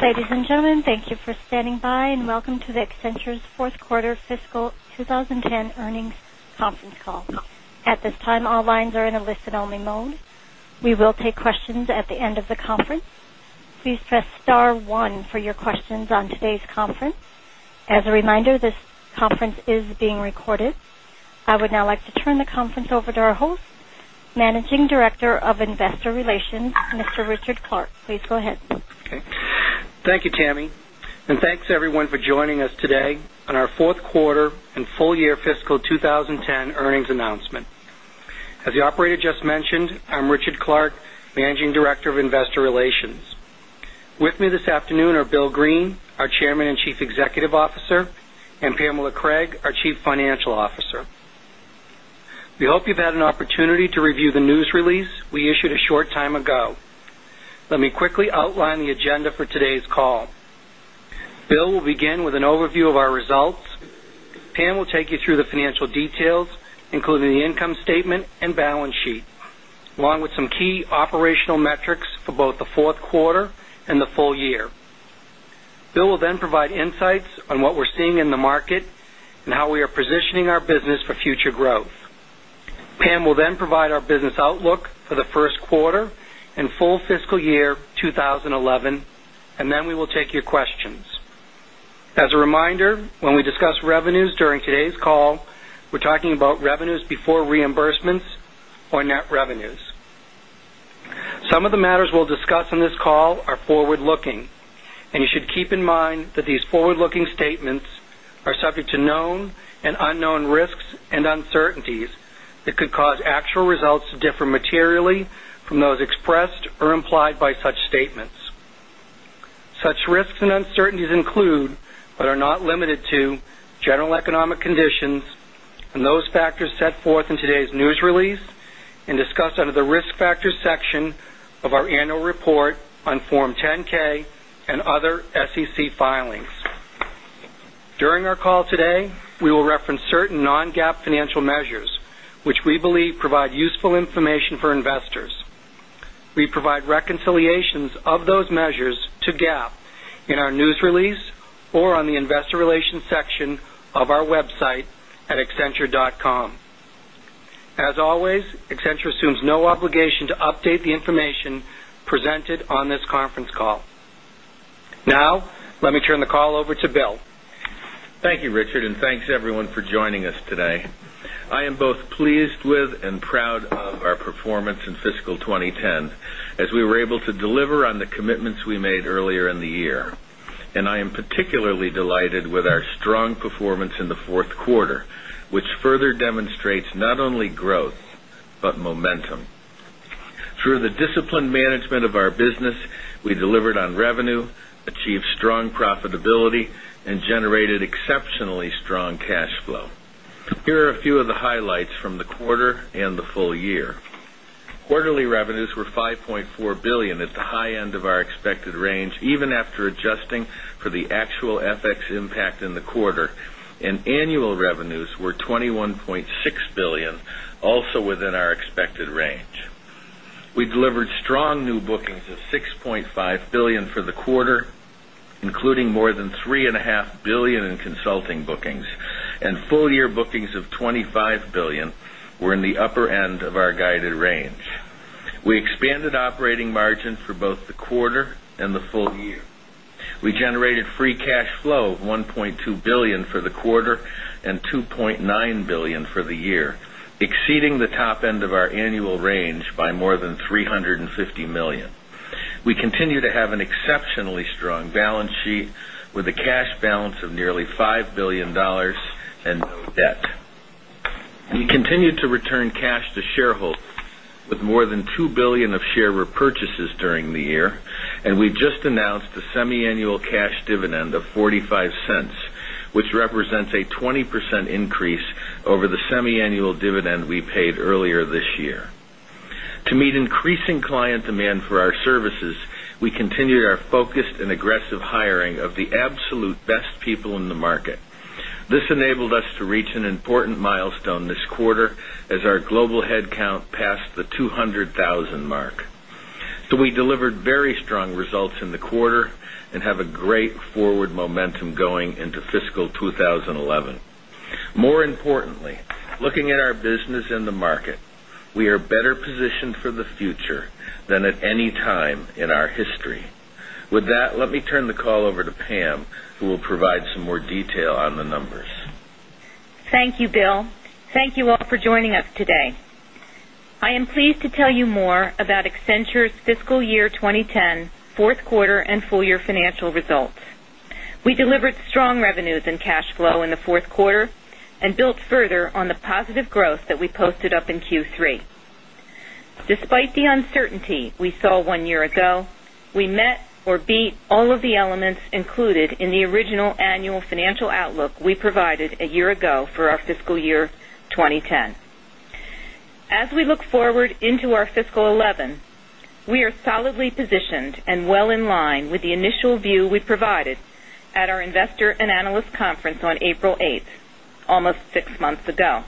Ladies and gentlemen, thank you for standing by and welcome to the Accenture's 4th Quarter Fiscal 20 10 Earnings Conference Call. At this time, all lines are in a listen only mode. We will take questions at the end of the conference. Of Investor Relations, Mr. Richard Clark. Please go ahead. Thank you, Tammy, and thanks everyone for joining us today on our 4th quarter and full year fiscal 2010 earnings announcement. As the operator just mentioned, I'm Richard Clark, Managing Director of Investor Relations. With me this afternoon are Bill Green, our Chairman and Chief Executive Officer and Pamela Craig, our Chief Financial Officer. We hope you've had an opportunity to review the news release we issued a short time ago. Let me quickly outline the agenda for today's call. Bill will begin with an overview of our results. Pam will take you through the financial details, including the income statement and balance sheet, along with some key operational metrics for both the Q4 and the full year. Bill will then provide insights on what we're seeing in the market and how we are positioning our business for future growth. Pam will then provide our business outlook for the Q1 and full fiscal year 2011 and then we will take your questions. As a reminder, when we discuss revenues during today's call, we're talking about revenues before reimbursements or net revenues. Some of the matters we'll discuss on this call are forward looking and you should keep in mind that these forward looking statements are subject to known and unknown risks and uncertainties that could cause actual results to differ materially from those expressed or implied by such statements. Such risks and uncertainties include, but are not limited to, general economic conditions and those factors set forth in news release and discussed under the Risk Factors section of our annual report on Form 10 ks and other SEC filings. During our call today, we will reference certain non GAAP financial measures, which we believe provide useful information for investors. We provide reconciliations of those measures to GAAP in our news release or on the Investor Relations section of our website at accenture.com. As always, Accenture assumes no obligation to update the information presented on this conference call. Now, let me turn the call over to Bill. Thank you, Richard, and thanks everyone for joining us today. I am both pleased with and proud of our performance in fiscal 2010 as we were able to deliver on the commitments we made earlier in the year. And I am particularly delighted with our strong performance in the 4th quarter, which further demonstrates not only growth, but momentum. Through the disciplined management of our business, we delivered on revenue, achieved strong profitability and generated exceptionally strong cash flow. Here are a few of the highlights from the quarter and the full year. Quarterly revenues were $5,400,000,000 at the high end of our expected range even after adjusting for the actual FX impact in the quarter and annual revenues were $21,600,000,000 also within our expected range. We delivered strong new bookings of $6,500,000,000 for the quarter, including more than $3,500,000,000 in consulting bookings and full year bookings of We generated free cash flow of $1,200,000,000 for the quarter and the full year. We generated free cash flow of $1,200,000,000 for the quarter $2,900,000,000 for the year, exceeding the top end of our annual range by more than $350,000,000 We continue to have an exceptionally strong balance sheet with a cash balance of nearly $5,000,000,000 and no debt. We continue to return cash to shareholders with more than $2,000,000,000 of share repurchases during the year and we just announced a semi annual cash dividend of 0.4 $5 which represents a 20% increase over the semiannual dividend we paid earlier this year. To meet increasing client demand for our services, we continued our focused and aggressive hiring of the absolute best people in the market. This enabled us to reach an important milestone this quarter as our global headcount passed the 200,000 mark. So we delivered very strong results in the quarter and have a great forward momentum going into fiscal 2011. More importantly, looking at our business in the market, we are better positioned for the future than at any time in our history. With that, let me turn the call over to Pam, who will provide some more detail on the numbers. Thank you, Bill. Thank you all for joining us today. I am pleased to tell you more about Accenture's fiscal year 20 Despite the uncertainty we saw 1 year ago, we Despite the uncertainty we saw 1 year ago, we met or beat all of the elements included in the original annual financial outlook we provided a year ago for our fiscal year 2010. As we look forward into our fiscal 2011, we are solidly positioned and well in line with the initial view we provided at our Investor and Analyst Conference on April 8, almost 6 months ago.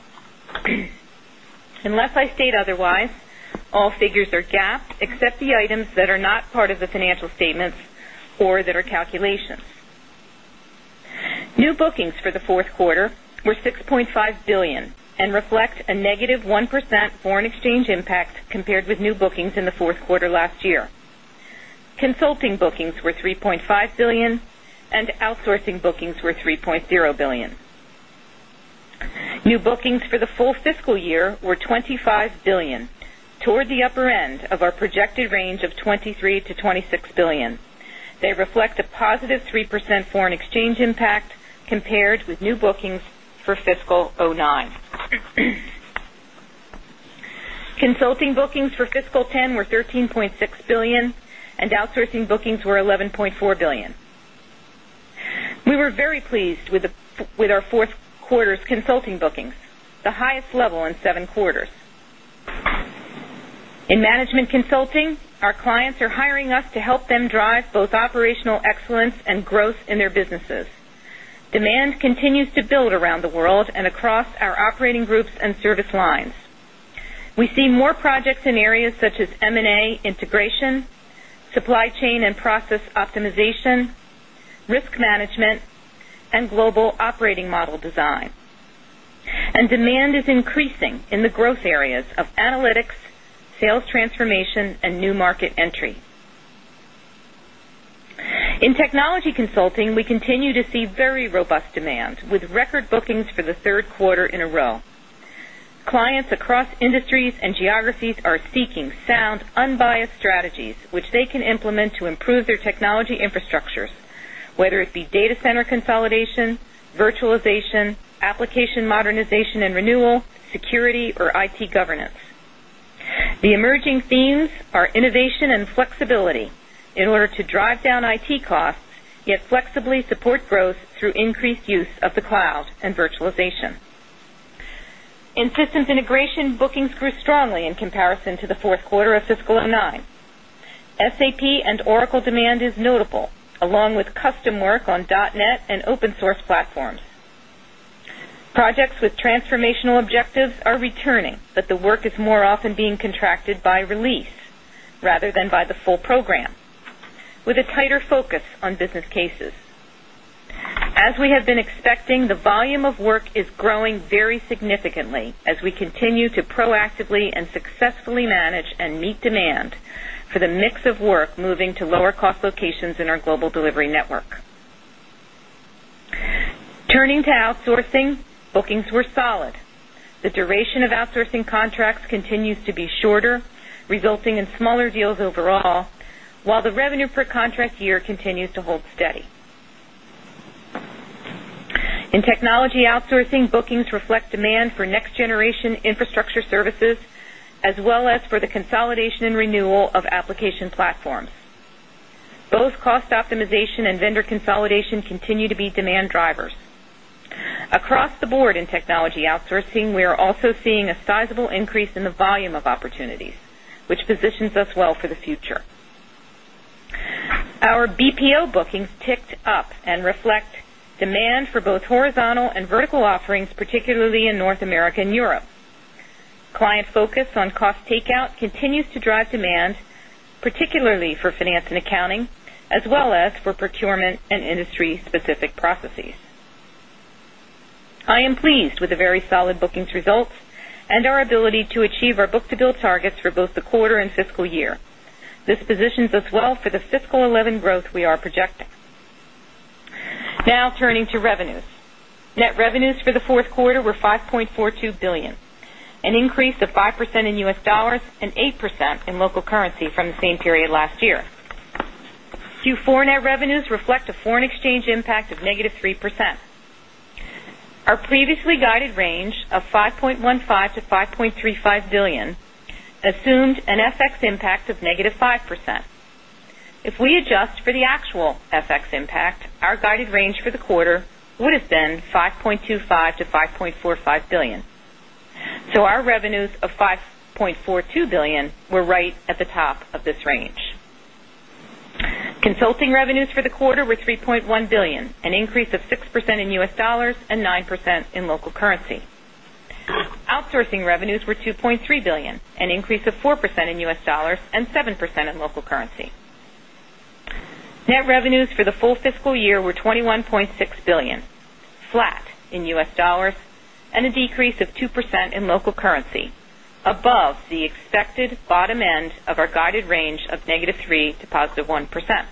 Unless I state otherwise, all figures are GAAP except the items that are not part of the financial statements or that are calculations. New bookings for the Q4 were $6,500,000,000 and reflect a negative 1% foreign exchange impact compared with new bookings in the Q4 last year. Consulting bookings were $3,500,000,000 dollars and outsourcing bookings were 3,000,000,000 toward the upper end of our projected range of $23,000,000,000 to $26,000,000,000 They reflect a positive 3% foreign exchange impact compared with new bookings 9. Consulting bookings for fiscal 20 10 were $13,600,000,000 and outsourcing bookings were $11,400,000,000 We were very pleased with our 4th quarter's consulting bookings, the highest level in 7 quarters. In management consulting, our clients are hiring us to help them drive both operational excellence and growth in their businesses. Demand continues to build around the world and across our operating groups and service lines. We see more projects in areas such as M and A integration, supply chain and process optimization, risk management and global operating model design. And demand is increasing in the growth areas of analytics, sales transformation and new market entry. In technology consulting, we continue to see very robust demand with record bookings infrastructures, whether it be data center consolidation, virtualization, application modernization and renewal, security or IT governance. The emerging themes are innovation and flexibility in order to drive down IT costs yet flexibly support growth through increased use of the cloud and virtualization. In systems integration, bookings grew strongly in comparison to the Q4 of fiscal 2009. SAP and Oracle demand is notable, along with custom work on dotnet and open source platforms. Projects with transformational objectives are returning, but the work is more often being contracted by release rather than by the full program, with a tighter focus on business cases. As we have been expecting, the volume of work is growing very significantly as we continue to proactively and successfully manage and meet demand for the mix of work moving to lower cost locations in our global delivery network. Turning to outsourcing, bookings were solid. The duration of outsourcing contracts continues to be shorter, resulting in smaller deals overall, while the revenue per contract year continues to hold steady. In technology outsourcing, bookings reflect demand for next generation infrastructure services as well as for the consolidation and renewal of application platforms. Both cost optimization and vendor consolidation continue to be demand drivers. Across the board in technology outsourcing, we are also seeing a sizable increase in the volume of opportunities, which positions us well for the future. Our BPO bookings ticked up and reflect demand for both horizontal and vertical offerings, particularly in North America and Europe. Client focus on cost takeout continues to drive demand, particularly for finance and accounting as well as for procurement and industry processes. I am pleased with the very solid bookings results and our ability to achieve our book to bill targets for both the quarter and fiscal year. This positions us well for the fiscal 2011 growth we are projecting. Now turning to revenues. Net revenues for the Q4 were 5.42 $1,000,000,000 an increase of 5% in U. S. Dollars and 8% in local currency from the same period last year. Q4 net revenues reflect a foreign exchange impact of negative 3%. Our previously guided range of $5,150,000,000 to $5,350,000,000 assumed an FX impact of negative 5%. If we adjust for the actual FX impact, guided range for the quarter would have been $5,250,000,000 to $5,450,000,000 So our revenues of 5 $420,000,000 were right at the top of this range. Consulting revenues for the quarter were $3,100,000,000 an increase of 6% in U. S. Dollars and 9% in local currency. Outsourcing revenues were $2,300,000,000 an increase of 4% in U. S. Dollars and 7% in local currency. Net revenues for the full fiscal year were $21,600,000,000 flat in U. S. Dollars and a decrease of 2% in local currency, above the expected bottom end of our guided range of negative 3% to positive 1%.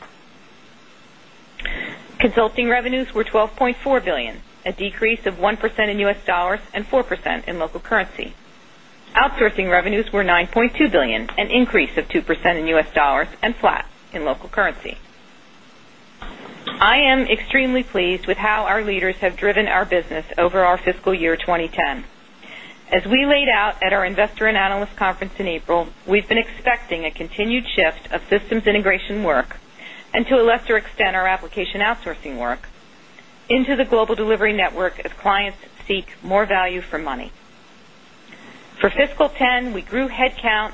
Consulting revenues were $12,400,000,000 a decrease of 1% in U. S. Dollars and 4% in local currency. Outsourcing revenues were $9,200,000,000 an increase of 2% in U. S. Dollars and flat in local currency. I am extremely pleased with how our leaders have driven our business over our fiscal year 2010. As we laid out at our Investor and Analyst Conference in April, we've been expecting a continued shift of systems integration work and to a lesser extent our application outsourcing work into the global delivery network as clients seek more value for money. For fiscal 'ten, we grew headcount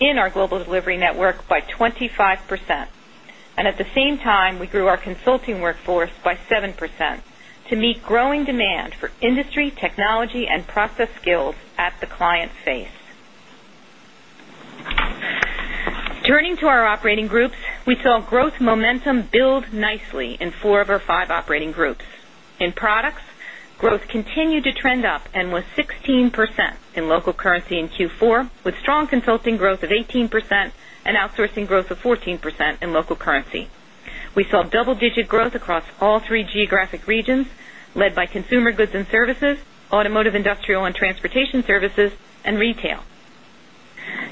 in our global delivery network by 25% and at the same time, we grew our consulting workforce by 7% to meet growing growth momentum build nicely in 4 of our 5 operating groups. In products, growth continued to trend up and was 16% in local currency in Q4 with strong consulting growth of 18% and outsourcing growth of 14% in local currency. We saw double digit growth across all three geographic regions, led by consumer goods and services, automotive, industrial and transportation services and retail.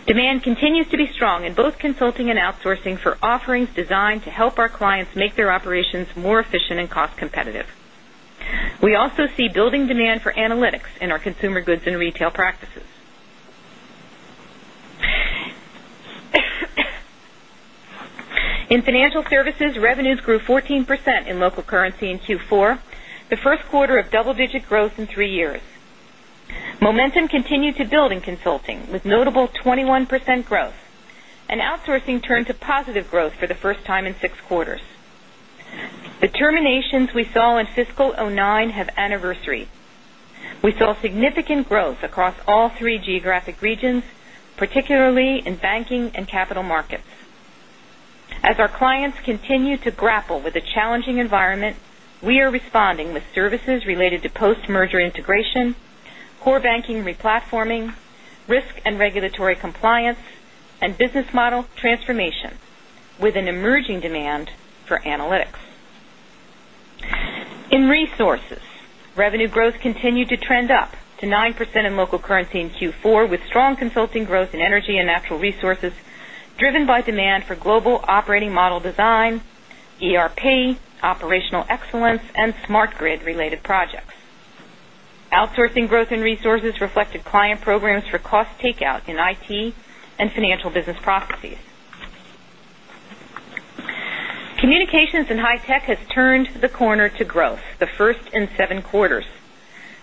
Demand continues to be strong in both consulting and outsourcing for offerings designed to help our clients make their operations more efficient and cost competitive. We also see building demand for analytics in our consumer goods and retail practices. In financial services, revenues grew 14% in local currency in Q4, the Q1 of double digit growth in 3 years. Momentum continued to build in consulting with notable 21% growth and outsourcing turned to positive growth for the first time in 6 quarters. The terminations we saw in fiscal 2009 have anniversary. We saw significant growth across all three geographic regions, particularly in banking and capital markets. As our clients continue to grapple with the challenging environment, we are responding with services related to post merger integration, core banking replatforming, risk and regulatory compliance and business model transformation with an emerging demand for analytics. In resources, revenue growth continued to trend up to 9% in local currency in Q4 with strong consulting growth in energy and natural resources driven by demand for global operating model design, ERP, operational excellence and smart grid related projects. Outsourcing growth in resources reflected client programs for cost takeout in IT and Financial Business Processes. Communications and High-tech has turned the corner to growth, the first 7 quarters.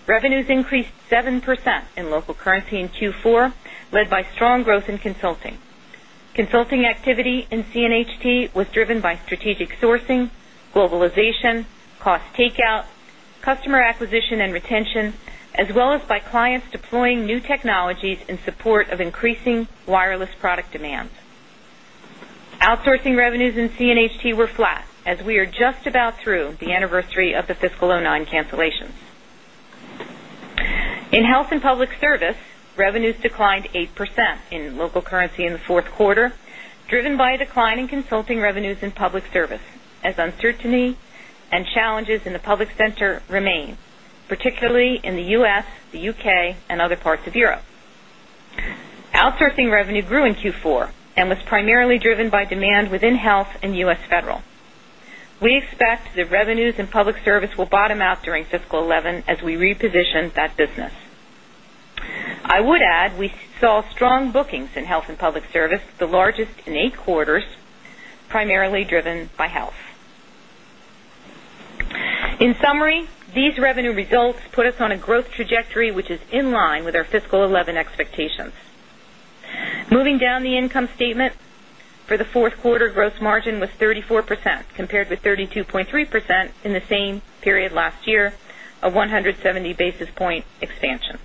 Revenues increased 7% in local currency in Q4, led by strong growth in consulting. Consulting activity in CNHT was driven by strategic sourcing, globalization, cost takeout, customer acquisition and retention as well as by clients deploying new technologies in support of increasing wireless product demand. Outsourcing revenues in CNHT were flat as we are just about the anniversary of the fiscal 2009 cancellations. In health and public service, revenues declined 8% in local currency in the 4th quarter, driven by a decline in consulting revenues in public service as uncertainty and challenges in the public center remain, particularly in the U. S, the U. K. And other parts of Europe. Outsourcing revenue grew in Q4 and was primarily driven by demand within health and U. S. Federal. We expect the revenues in public service will bottom out during fiscal 2011 as we reposition that business. I would add, we saw strong bookings in health and public service, the largest in 8 quarters, primarily driven by health. In summary, these revenue results put us on a growth trajectory, which is in line with our fiscal 2011 expectations. Moving down the income statement. For the 4th quarter, gross margin was 34% compared with 32.3% in the same period last year, a 170 basis point expansion.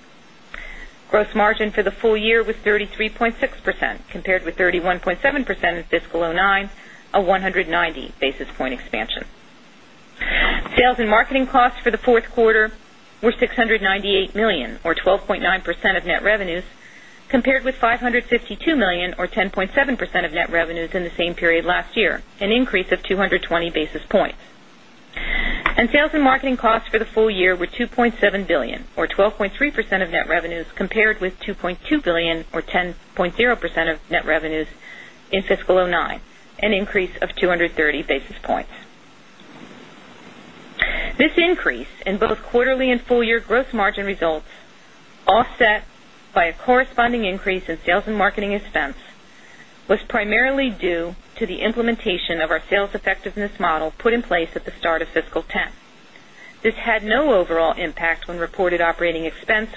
Gross margin for the full year was 33.6% compared with 31.7% in fiscal 2009, a 190 basis point expansion. Sales and marketing costs for the Q4 were $698,000,000 or 12.9 percent of net revenues compared with $552,000,000 or 10.7 percent of net revenues in the same period last year, an increase of 220 basis points. And sales and marketing costs for the full year were $2,700,000,000 or 12.3 percent of net revenues compared with $2,200,000,000 or 10 percent of net revenues in fiscal 2009, an increase of 230 basis points. This increase in both quarterly and full year gross margin results, offset by a corresponding increase in sales and marketing expense, was primarily due to the implementation of our sales effectiveness model put in place at the start of fiscal 2010. This had no overall impact when reported operating and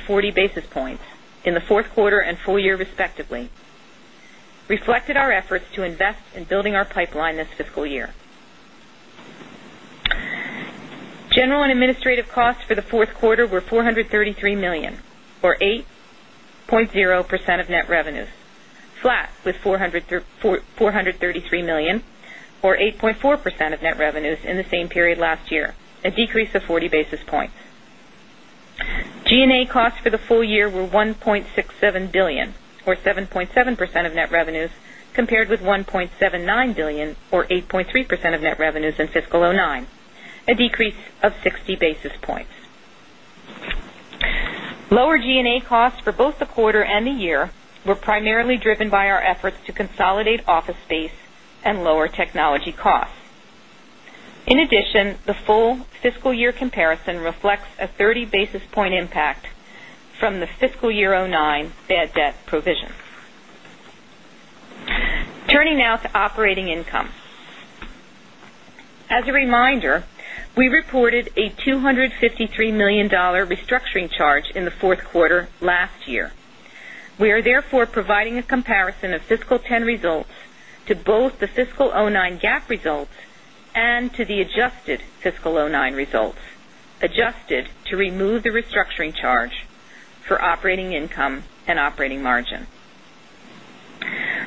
40 basis points in the Q4 and full year respectively, reflected our efforts to invest in building our pipeline this fiscal year. General and administrative costs for the Q4 were $433,000,000 or 8 point 0 percent of net revenues, flat with $433,000,000 or 8.4 percent of net revenues in the same period last year, a decrease of 40 basis points. G and A costs for the full year were $1,670,000,000 or 7.7 percent of net revenues compared with $1,790,000,000 or 8.3 percent of net revenues in fiscal 2009, a decrease of 60 basis points. Lower G and A costs for both the quarter and the year were primarily driven by our efforts to consolidate office space and lower technology costs. In addition, the full fiscal year comparison reflects a 30 basis point impact from the fiscal year 2009 bad debt provision. Turning now to operating income. As a reminder, we reported a 2 $53,000,000 restructuring charge in the Q4 last year. We are therefore providing a comparison of fiscal 'ten results to both the fiscal 2,009 GAAP results and to the adjusted fiscal 2,009 results, adjusted to remove the restructuring charge for operating income and operating margin.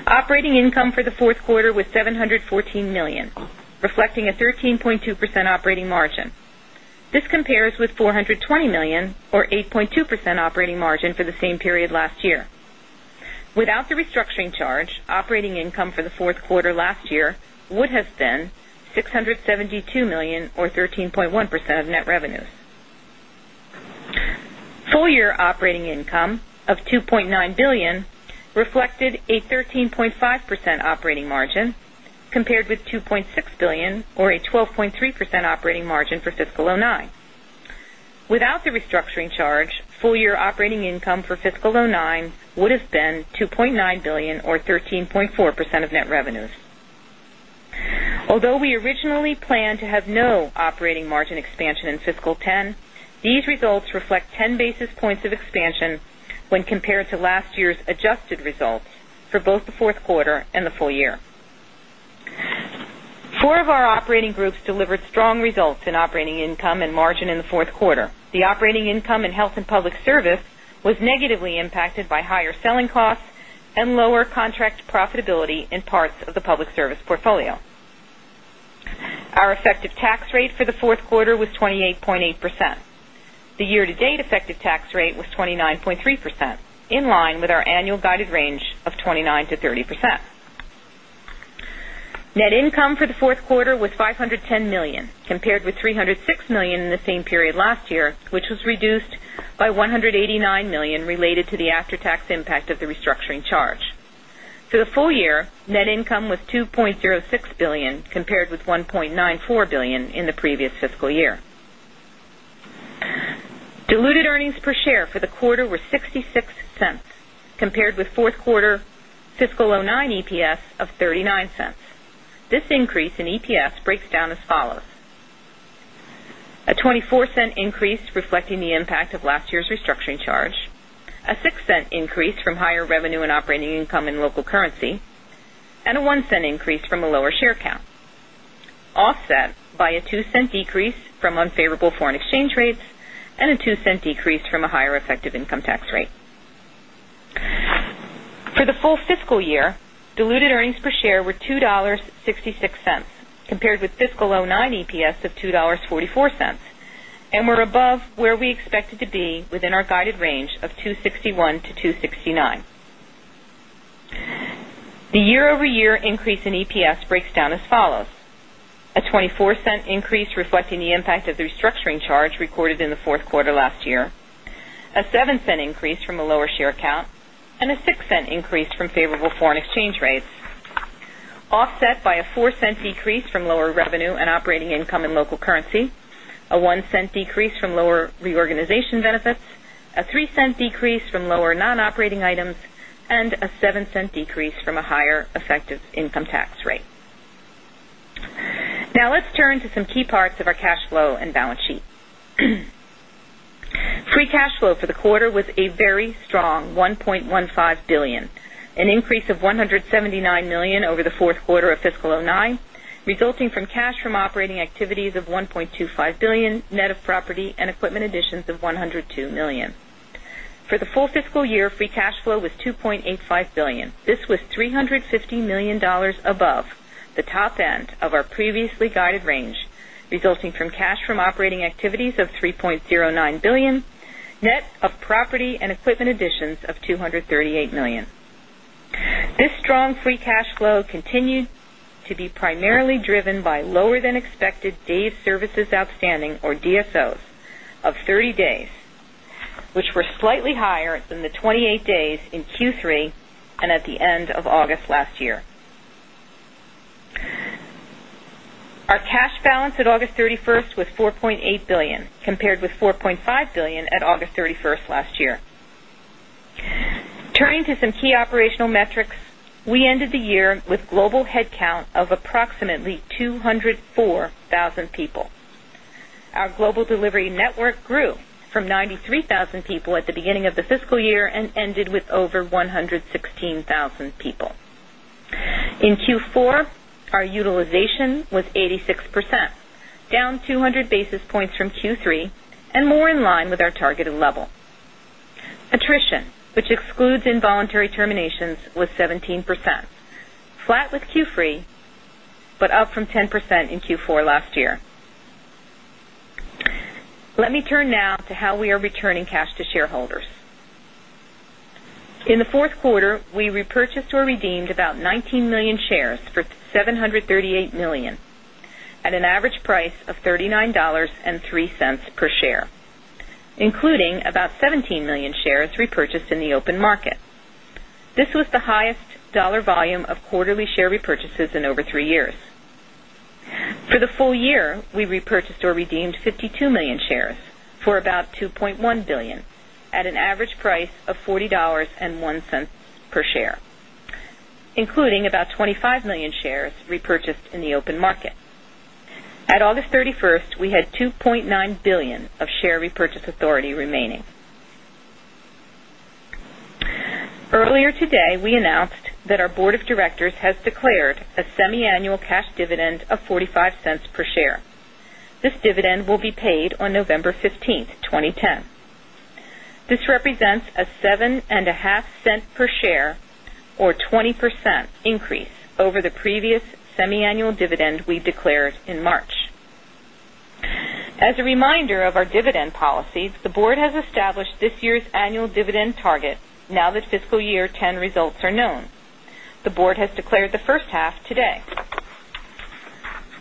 Operating income for the 4th quarter was $714,000,000 reflecting a 13.2 percent operating margin. This compares with $420,000,000 or 8.2 percent operating margin for the same period last year. Without the restructuring charge, operating income for the Q4 last year would have been $672,000,000 or 13.1 percent of net revenues. Full year operating income of $2,900,000,000 reflected a 13.5 percent operating margin compared with $2,600,000,000 or a 12.3 percent operating margin for fiscal the restructuring charge, full year operating income for fiscal 2009 would have been $2,900,000,000 or 13.4 percent of net revenues. Although we originally planned to have no operating margin expansion in fiscal 20 10, these results reflect 10 basis points of expansion when compared to last year's adjusted results for both the Q4 and the full year. 4 of our operating groups delivered strong results in operating income and margin in the 4th quarter. The operating income in Health and Public Service was negatively impacted by higher selling costs and lower contract profitability in parts of the public service portfolio. Our effective tax rate for the Q4 was 28.8%. The year to date effective tax rate was 29.3%, in line with our annual guided range of 29% to 30%. Net income for the Q4 was 510,000,000 compared with $306,000,000 in the same period last year, which was reduced by $189,000,000 related to the after tax impact of the restructuring charge. For the full year, net income was $2,060,000,000 compared with $1,940,000,000 in the previous fiscal year. Diluted earnings per share for the quarter were $0.66 compared with 4th quarter fiscal 'nine EPS of $0.39 This increase in EPS breaks down as follows: a $0.24 increase reflecting the impact of last year's restructuring charge a $0.06 increase from higher revenue and operating income in local currency and a $0.01 increase from a lower share count, offset by a $0.02 decrease from unfavorable foreign exchange rates and a $0.02 decrease from a higher effective income tax rate. For the full fiscal year, diluted earnings per share were 2 point 'nine EPS of $2.44 and we're above where we expected to be within our guided range of $2.61 to 2.69 dollars The year over year increase in EPS breaks down as follows. Dollars increase reflecting the impact of the restructuring charge recorded in the Q4 last year, a 0 point 0 $7 increase from a lower share count and a $0.06 increase from favorable foreign exchange rates, offset by a $0.04 decrease from lower revenue and operating income in local currency, a $0.01 decrease from lower reorganization benefits, a 0 point 0 $3 decrease from lower non operating items and $7 decrease from a higher effective income tax rate. Now let's turn to some key parts of our cash flow and balance sheet. Free cash flow for the quarter was a very strong $1,150,000,000 an increase of 170 $9,000,000 over the Q4 of fiscal 2009 resulting from cash from operating activities of $1,250,000,000 net of property and equipment additions of 102,000,000 dollars For the full fiscal year, free cash flow was $2,850,000,000 This was $350,000,000 above the top end of our previously guided range, resulting from cash from operating activities of $3,090,000,000 net of property and equipment additions of $238,000,000 This strong free cash flow continued to be primarily driven by lower than expected days services outstanding or DSOs of 30 days, which were slightly higher than the 28 days in Q3 and at the end of August last year. Our cash balance at August 31 was 4.8 billion compared with 4.5 $1,000,000,000 at August 31 last year. Turning to some key operational metrics, we ended the year with global headcount of approximately 204,000 people. Our global delivery network grew from 93,000 people at the beginning of the fiscal year and ended with over 116,000 people. In Q4, our utilization was 86%, down 2 Our utilization was 86%, down two 100 basis points from Q3 and more in line with our targeted level. Attrition, which excludes involuntary terminations, was 17%, flat with Q3, but up from 10% in Q4 last year. Let me turn now to how we are returning cash to shareholders. In the Q4, we repurchased or redeemed about 19,000,000 shares for $738,000,000 at an average price of $39.03 per share, including about 17,000,000 shares repurchased in the open market. This was the highest dollar volume of quarterly share repurchases in over 3 years. For the full year, we repurchased or redeemed 52,000,000 shares for about $2,100,000,000 at an average price of $40.01 per share, including about 25,000,000 shares repurchased in the open market. At August 31, we had $2,900,000,000 of share repurchase authority remaining. Earlier today, we announced that our Board of Directors has declared a semiannual cash dividend of $0.45 per share. This dividend will be paid on November 15, 2010. This represents a dividend we declared in March. As a reminder of our dividend policy, the board has established this year's annual dividend target now that fiscal year 'ten results are known. The Board has declared the first half today.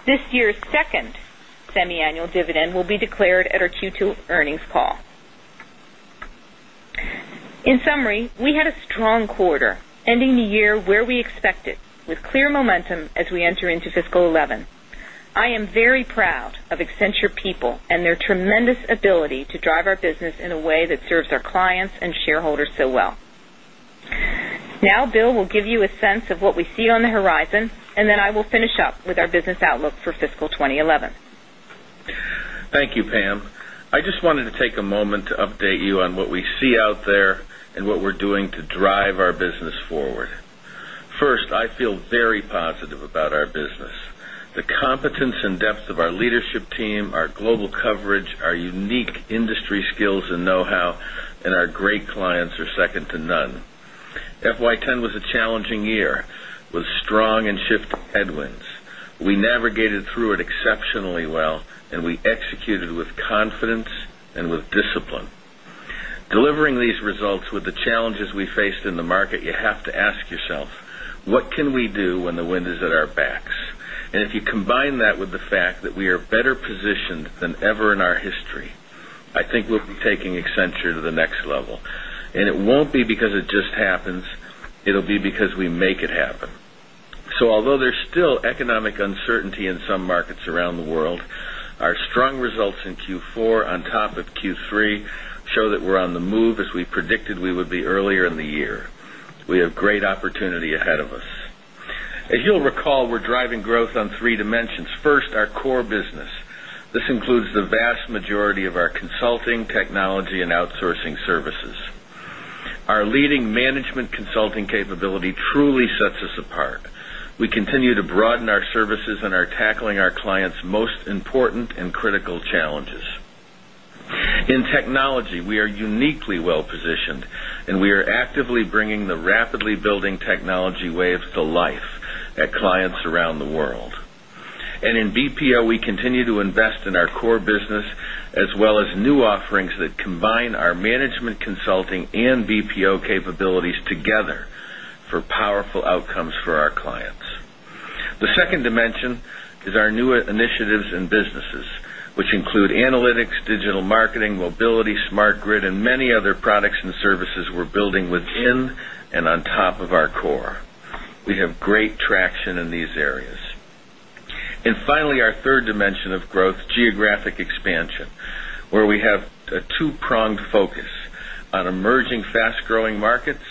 This year's second semiannual dividend will be declared at our Q2 earnings call. In summary, we call. In summary, we had a strong quarter, ending the year where we expected with clear momentum as we enter into fiscal 2011. I am very proud of Accenture people and their give you a sense of what we see on the horizon and then I will finish up with our business outlook for fiscal 2011. Thank you, Pam. I just wanted to take a moment to update you on what we see out there and what we're doing to drive our business forward. First, I feel very positive about our business. The competence and depth of our leadership team, our global coverage, our unique industry skills and know how and great clients are second to none. FY 'ten was a challenging year with strong and shift headwinds. We navigated through it exceptionally well and we executed with confidence and with discipline. Delivering these results with the challenges we faced in the market, you have to ask yourself, what can we do when the wind is at our backs? And if you combine that with the fact that we are better positioned than ever in our history, I think we'll be taking Accenture to the next level. And it won't be because it just happens, it will be because we make it happen. So although there's still economic uncertainty in some markets around the world, our strong results in Q4 on top of Q3 show that we're on the move as we predicted we would be earlier in the year. We have great opportunity ahead of us. As you'll recall, we're driving growth on 3 dimensions. 1st, our core business. This includes the vast majority of our consulting, technology and outsourcing services. Our leading management consulting capability truly sets us apart. We continue to broaden our services and are tackling our clients' most important and critical challenges. In technology, we are uniquely well positioned and we are actively bringing the rapidly building technology waves to life at clients around the world. And in BPO, continue to invest in our core business as well as new offerings that combine our management consulting and BPO capabilities together for powerful outcomes for our clients. The second dimension is our new initiatives and businesses, which include analytics, digital marketing, mobility, smart grid and many other products and services we're building within and on top of our core. We have great traction in these areas. And finally, our 3rd dimension of growth, geographic expansion, where we have a 2 pronged focus on emerging fast growing markets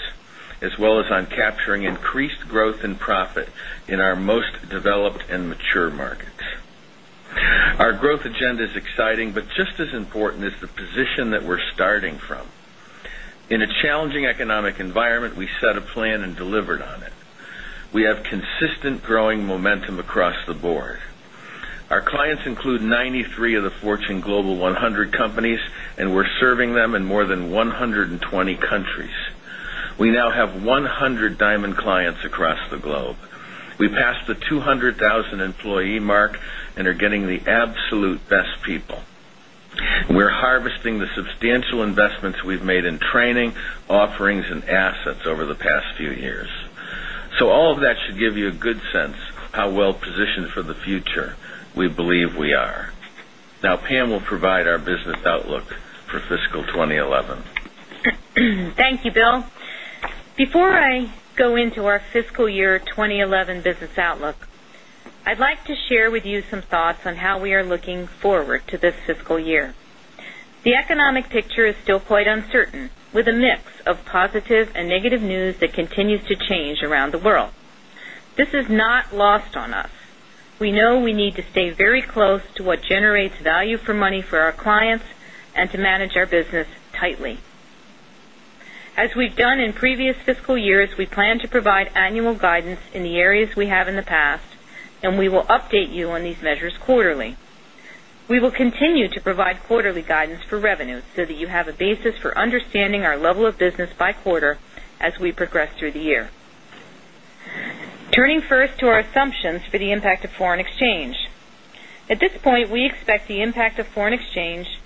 as well as on capturing increased growth and profit in our most developed and mature markets. Our growth agenda is exciting, but just as important is the position that we're starting from. In a challenging economic environment, we set a plan and delivered on it. We have consistent growing momentum across the board. Our clients include 93 of the Fortune Global 100 Companies and we're serving them in more than 120 countries. We now have 100 Diamond clients across the globe. We passed the 200,000 employee mark and are getting the absolute best people. We're harvesting the substantial investments we've made in training, offerings and assets over the past few years. So all of that should give you a good sense how well positioned for the future we believe we are. Now Pam will provide our business outlook for fiscal 2011. Thank you, Bill. Before I go into our fiscal year 2011 business outlook, I'd like to share with you some thoughts on how we are looking forward to this fiscal year. The economic picture is still quite uncertain with a mix of positive and negative news that continues to change around the world. This is not lost on us. We know we need to stay very close to what generates value for money for our clients and to manage our business tightly. As we've done in previous fiscal years, we plan to provide annual guidance in the areas we have in the past and we will update you on these measures quarterly. We will continue to provide quarterly guidance for revenue so that you have a basis for understanding our level of business by quarter as we progress through the year. Turning first to our assumptions for the impact of foreign exchange. At this point, we expect the impact of foreign exchange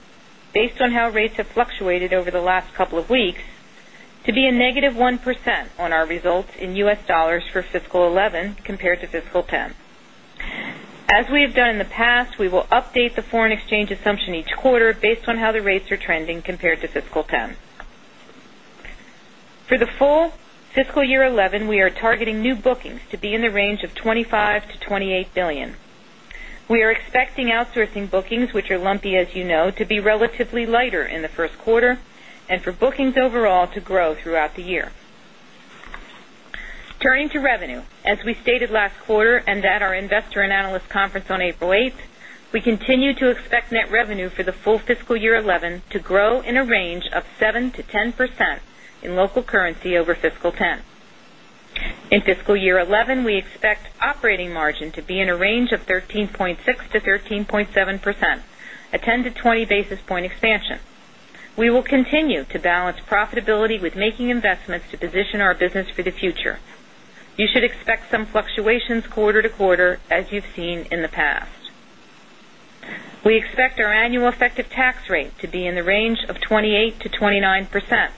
based on how rates have fluctuated over the last couple of weeks to be a negative 1% on our results in U. S. Dollars for fiscal 2011 compared to fiscal 2010. As we've done in the past, we will update the foreign exchange assumption each quarter based on how the rates are trending compared to fiscal 2010. For the full fiscal year 2011, we are targeting new bookings to be in the range of $25,000,000,000 to $28,000,000,000 We are expecting outsourcing bookings, which are lumpy as you know, to be relatively lighter in the Q1 and for bookings overall to grow throughout the year. Turning to revenue. As we stated last quarter and at our Investor and Analyst Conference on April 8, we continue to expect net revenue for the full fiscal year 2011 to grow in a range of 7% to 10% in local currency over fiscal 2010. In fiscal year 2011, we expect operating margin to be in a range of 13.6% to 13.7%, a 10 to 20 basis point expansion. We will continue to balance profitability with making investments to position our business for the future. You should expect some fluctuations quarter to quarter as you've seen in the past. We expect our annual effective tax rate to be in the range of 28% to 29%.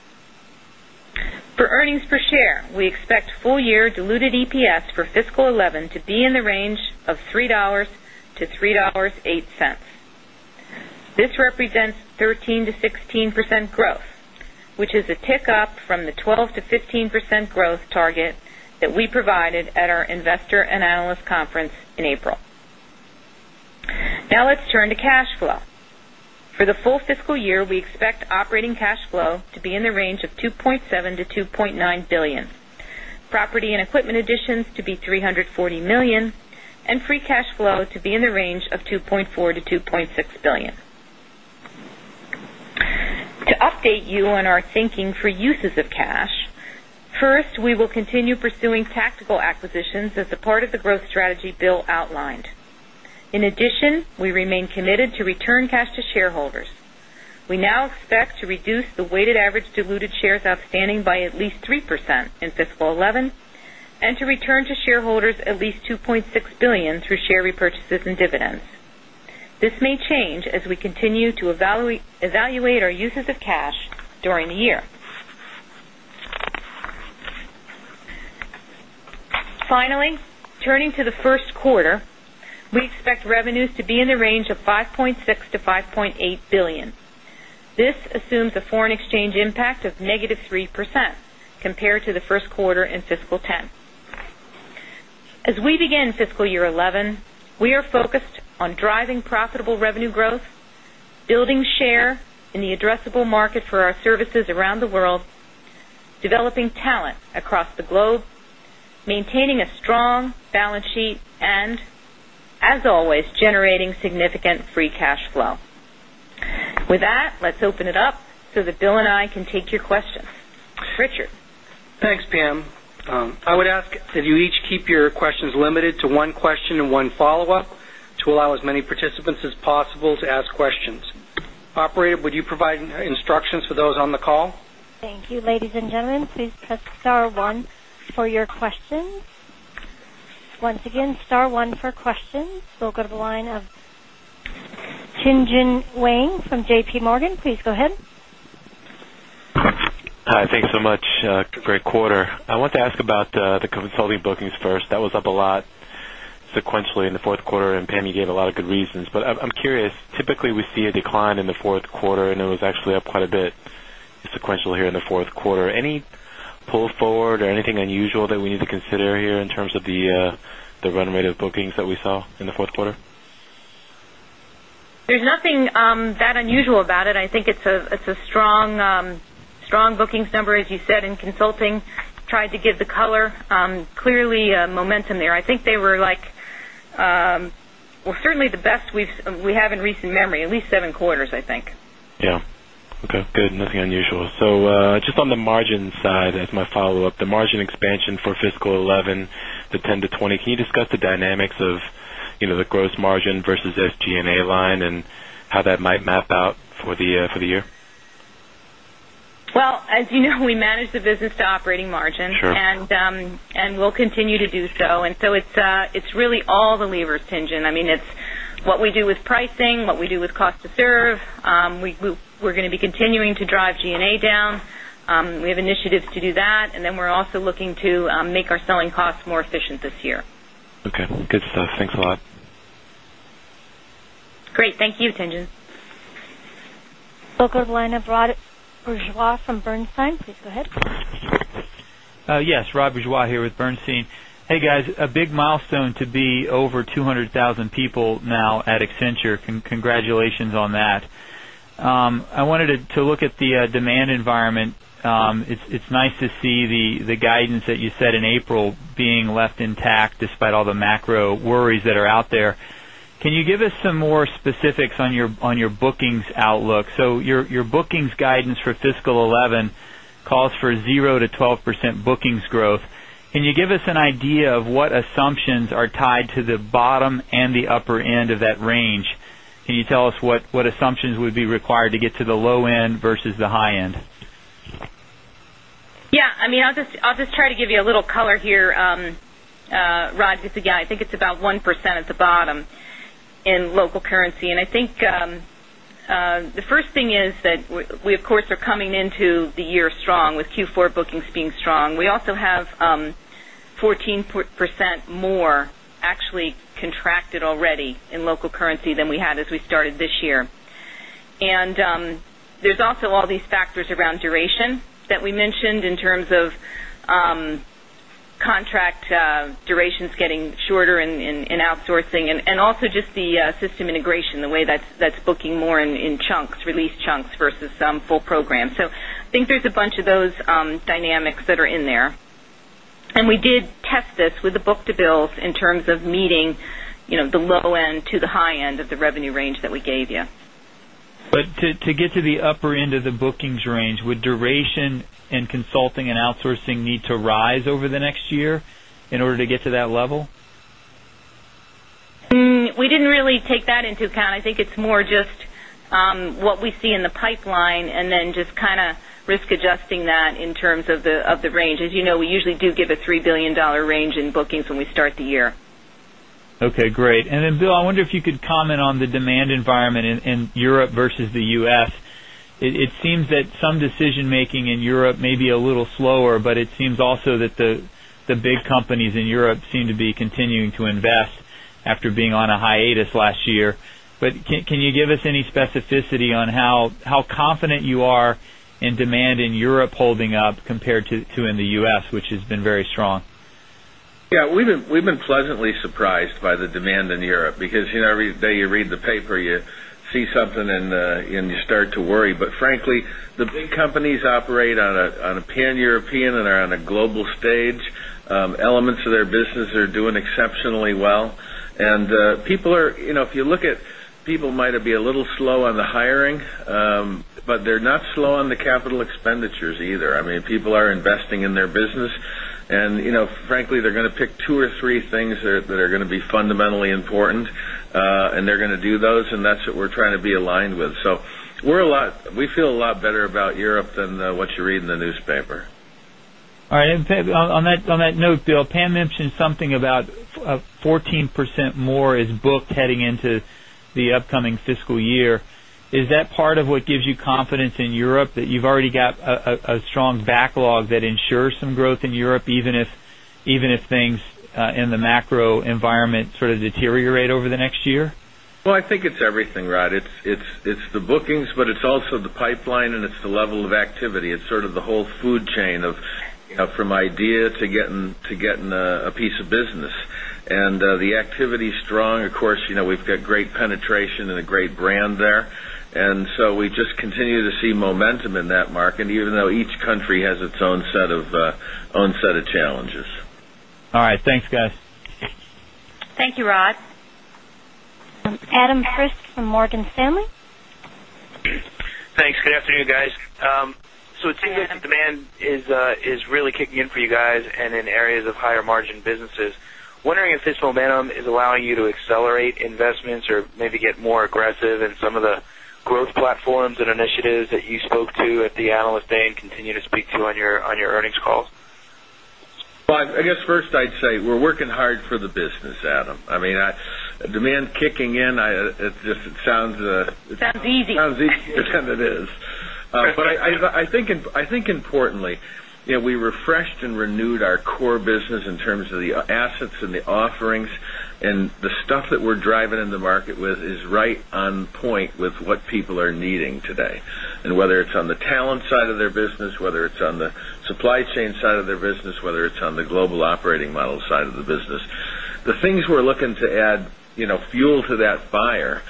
For earnings per share, we expect full year diluted EPS for fiscal 2011 to be in the range of $3 to $3.08 $8 This represents 13% to 16% growth, which is a tick up from the 12% growth target that we provided at our Investor and Analyst Conference in April. Now let's turn to cash flow. For the full fiscal year, we expect operating cash flow to be in the range of $2,700,000,000 to $2,900,000,000 Property and equipment additions to be $340,000,000 and free cash flow to be in the range of $2,400,000,000 to $2,600,000,000 To update you on our thinking for uses of cash, first, we will continue pursuing tactical acquisitions as a part of the growth strategy Bill outlined. In addition, we remain committed to return cash to shareholders. We now expect to reduce the weighted average diluted shares outstanding by at least 3% in fiscal 2011 and to return to shareholders at least $2,600,000,000 through share repurchases and dividends. This may change as we continue to evaluate our uses of cash during the year. Finally, turning to the Q1, we expect revenues to be in the range of $1,000,000,000 to $5,800,000,000 This assumes a foreign exchange impact of negative 3% compared to the Q1 in fiscal 20 10. As we begin fiscal year 2011, we are focused on driving profitable revenue growth, building share in the addressable market for our services around the world, developing talent across the globe, maintaining a strong balance sheet and as always generating significant free cash flow. With that, let's open it up so that Bill and I can take your questions. Richard? Thanks, Pam. I would ask that you each keep your questions limited to one question and one follow-up to allow as many participants as possible to ask questions. Operator, would you provide instructions for those on the call? Thank you. We'll go to the line of Tien Tsin Huang from JPMorgan. Please go ahead. I want to ask about the consulting bookings first. That was up a lot sequentially in the Q4 and Pam you gave a lot of good reasons. But curious, typically we see a decline in the Q4 and it was actually up quite a bit sequentially here in the Q4. Any pull forward or anything unusual that we need to consider here in terms of the run rate of bookings that we saw in the Q4? There's nothing that unusual about it. I think it's a strong bookings number as you said in consulting, tried to give the color, clearly momentum there. I think they were like well, certainly the best we have in recent memory, at least 7 quarters, I think. Yes. Okay, good. Nothing unusual. So just on the margin side as my follow-up, the margin expansion for fiscal 'eleven, the 'ten to 'twenty, can you the dynamics of the gross margin versus SG and A line and how that might map out for the year? Well, as you know, we manage the business to operating margin and we'll continue to do so. And so it's really all the levers, Tien Tsin. I mean, it's what we do with pricing, what we do with cost to serve. We're going to be continuing to drive G and A down. We have initiatives to do that. And then we're also looking to make our selling costs more efficient this year. Okay. Good stuff. Thanks a lot. Great. Thank you, Tien Tsin. We'll go to the line of Rod Bourgeois from Bernstein. Please go ahead. Yes. Rod Bourgeois here with Bernstein. Hey guys, a big milestone to be over 200,000 people now at Accenture. Congratulations on that. I wanted to look at the demand environment. It's nice to see the guidance that you give us an idea of what assumptions are tied to the bottom and the bottom and the bottom and the bottom and the bottom give us an idea of what assumptions are tied to the bottom and the upper end of that range? Can you tell us what assumptions would be required to get to the low end versus the high end? Rod, it's again, I think it's about 1% at the bottom. Rod. It's again, I think it's about 1% at the bottom in local currency. And I think the first thing is that we, of course, are coming into the year strong with Q4 bookings being strong. We also have 14% more actually contracted already in local currency than we had as we started this year. And there's also all these factors around duration that we mentioned in terms of contract durations getting shorter in outsourcing and also just the system integration, the way that's booking more in chunks, release chunks versus some full program. So I think there's a bunch of those dynamics that are in there. And we did test this with the book to bills in terms of meeting the low end to the high end of the revenue range that we gave you. But to get to the upper end of the bookings range, would duration and consulting and outsourcing need to rise over the next year in order to get to that level? We didn't really take that into account. I think it's more just, what we see in the pipeline and then just kind of risk adjusting that in terms of the range. As you know, we usually do give a $3,000,000,000 range in bookings when we start the year. Okay, great. And then Bill, I wonder if you could comment on the demand environment in Europe versus the U. S. It seems that some decision making in Europe may be a little slower, but it seems also that the big companies in Europe seem to be continuing to invest after being on a hiatus last year. But can you give us any specificity on how confident you are in demand in Europe holding up compared to in the U. S, which has been very strong? Yes. We've been pleasantly surprised by the demand in Europe because every day you read the paper, you see something and you start to worry. But frankly, the big companies operate on a pan European and are on a global stage. Elements of their business are doing exceptionally well. And people are if you look at people might be a little slow on the hiring, but they're not slow on the capital expenditures either. I mean, people are investing in their business. Frankly, they're going to pick 2 or 3 things that are going to be fundamentally important, and they're going to do those, and that's what we're trying to be aligned with. So we're a lot we feel a lot better about Europe than what you read in the newspaper. All right. And on that note, Bill, Pam mentioned something about 14% more is booked heading into the upcoming fiscal year. Is that part of what gives you confidence in Europe that you've already got a strong backlog that ensures some growth in Europe even if things in the macro environment sort of deteriorate over the next year? Well, I think it's everything, Rod. It's the bookings, but it's also the pipeline and it's the level of activity. It's sort of the whole food chain of from idea to getting a piece of business. And the activity is strong. Of course, we've got great penetration and a great brand there. And so, we just continue to see momentum in that market even though each country has its own set of challenges. All right. Thanks, guys. Thank you, Rod. Adam Christ from Morgan Stanley. Thanks. Good afternoon, guys. So it seems that demand is really kicking in for you guys and in areas of higher margin businesses. Wondering if this momentum is allowing you to accelerate investments or maybe get more aggressive in some of the growth platforms and initiatives that you spoke to at the Analyst Day and continue to speak to on your earnings calls? Well, I guess first I'd say we're working hard for the business, Adam. I mean demand kicking in, it just sounds Sounds easy. Sounds easy. It sounds easy, and it is. But I think importantly, we refreshed and renewed our core business in terms of the assets and the offerings and the stuff that we're driving in the market with is right on point with what people are needing today. And whether it's on the talent side of their business, whether it's on the supply chain side of their business, whether it's on the global operating model side of the business. The things we're looking to add fuel to that fire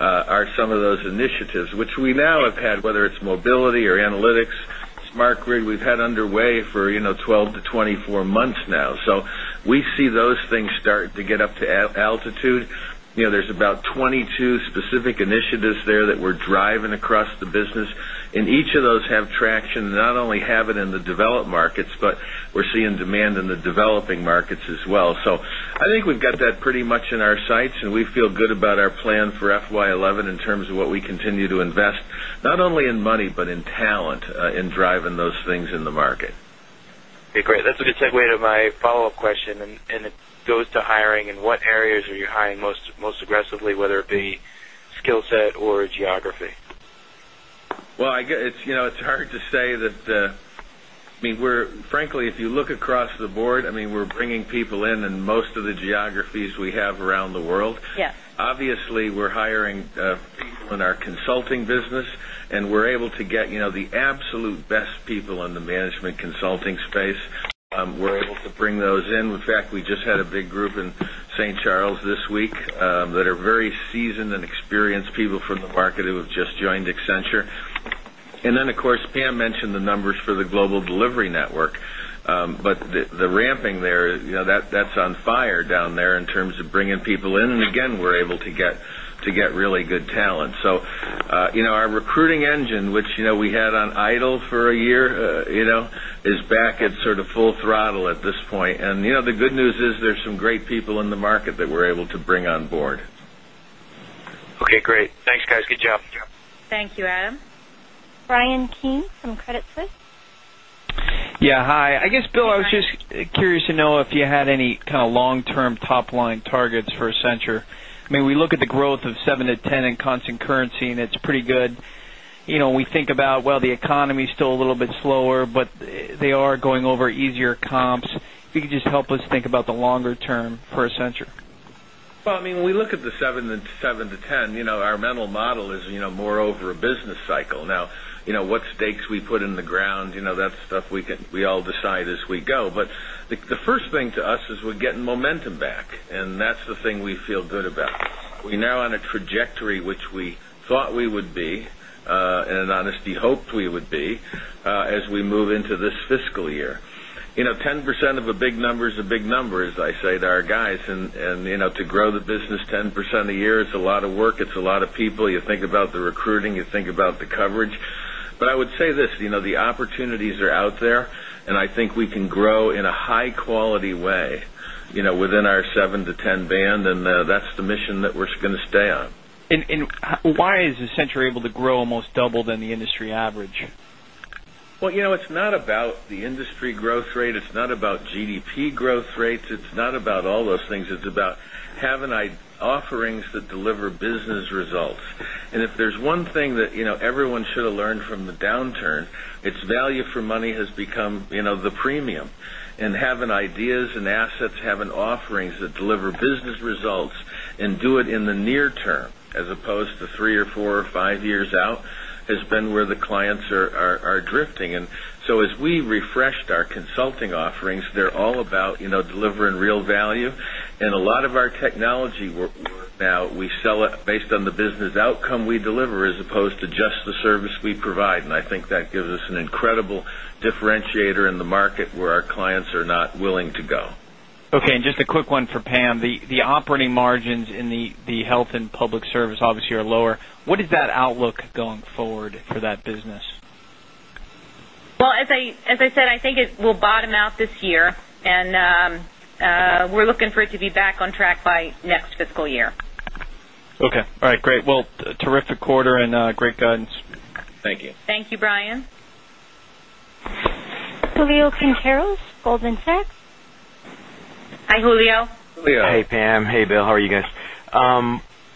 are some of those initiatives, which we now have had whether it's mobility or analytics, smart grid, we've had underway for 12 months to 24 months now. So, we see those things start to get up to altitude. There's about 22 specific initiatives there that we're driving across the business and each of those have traction not only have it in the developed markets, in terms of what we continue to invest not only in money but in talent in driving those things in the market. Okay, great. That's a good segue to my follow-up question and it goes to hiring and what areas are you hiring most aggressively whether it be skill set or geography? Well, I guess it's hard to say that I mean we're frankly if you look across the board, I mean we're bringing people in, in most of the geographies we have around the world. Yes. Obviously, we're hiring people in our consulting business and we're able to get the absolute best people in the management consulting space. We're able to bring those in. In fact, we just had a big group in St. Charles this week that are very seasoned and experienced people from the market who have just joined Accenture. Then, of course, Pam mentioned the numbers for the global delivery network, but the ramping there, that's on fire down there in terms of bringing people in and again we're able to get really good talent. So our recruiting engine, which we had on idle for a year is back at sort of full throttle at this point. And the good news is there's some great people in the market that we're able to bring on board. Okay, great. Thanks guys. Good job. Thank you, Adam. Brian Keane from Credit Suisse. Yes. Hi. I guess, Bill, I was just curious to know if you had any kind of long term top line targets for Accenture. I mean, we look at the growth of 7% to 10% in constant currency and it's pretty good. We think about the economy is still a little bit slower, but they are going over easier comps. If you could just help us think about the longer term for Accenture? Well, I mean, we look at the 7% to 10%, our mental model is more over a business cycle. Now, what stakes we put in the ground, that stuff we can we all decide as we go. But the first thing to us is we're getting momentum back and that's the thing we feel good about. We're now on a trajectory which we thought we would be and in honesty hoped we would be as we move into this fiscal year. 10% of a big number is a big number as I say to our guys and to grow the business 10% a year, it's a lot of work, it's a lot of people, you about the recruiting, you think about the coverage. But I would say this, the opportunities are out there and I think we can grow in a high quality way within our 7 to 10 band and that's the mission that we're going to stay on. And why is Accenture able to grow almost double than the industry average? Well, it's not about the industry growth rate. It's not about GDP growth rates. It's not about all those things, it's about having offerings that deliver business results. And if there's one thing that everyone should have learned from the downturn, its value for money has become the premium and having ideas and assets, having offerings that deliver business results and do it in the near term as opposed to 3 or 4 or 5 years out has been where the clients are drifting. And so as we refreshed our consulting offerings, they're all about delivering real value. And a lot of our technology work now, we sell it based on the business outcome we deliver as opposed to just the service we provide. And I think that gives us an incredible differentiator in the market where our clients are not willing to go. Okay. And just a quick one for Pam, the operating margins in the health and public service obviously are lower. What is that outlook going forward for that business? Well, as I said, I think it will bottom out this year and we're looking for it to be back on Julio Pancheros, Goldman Sachs. Julio Quinteros, Goldman Sachs. Hi, Julio. Hey, Pam. Hey, Bill. How are you guys?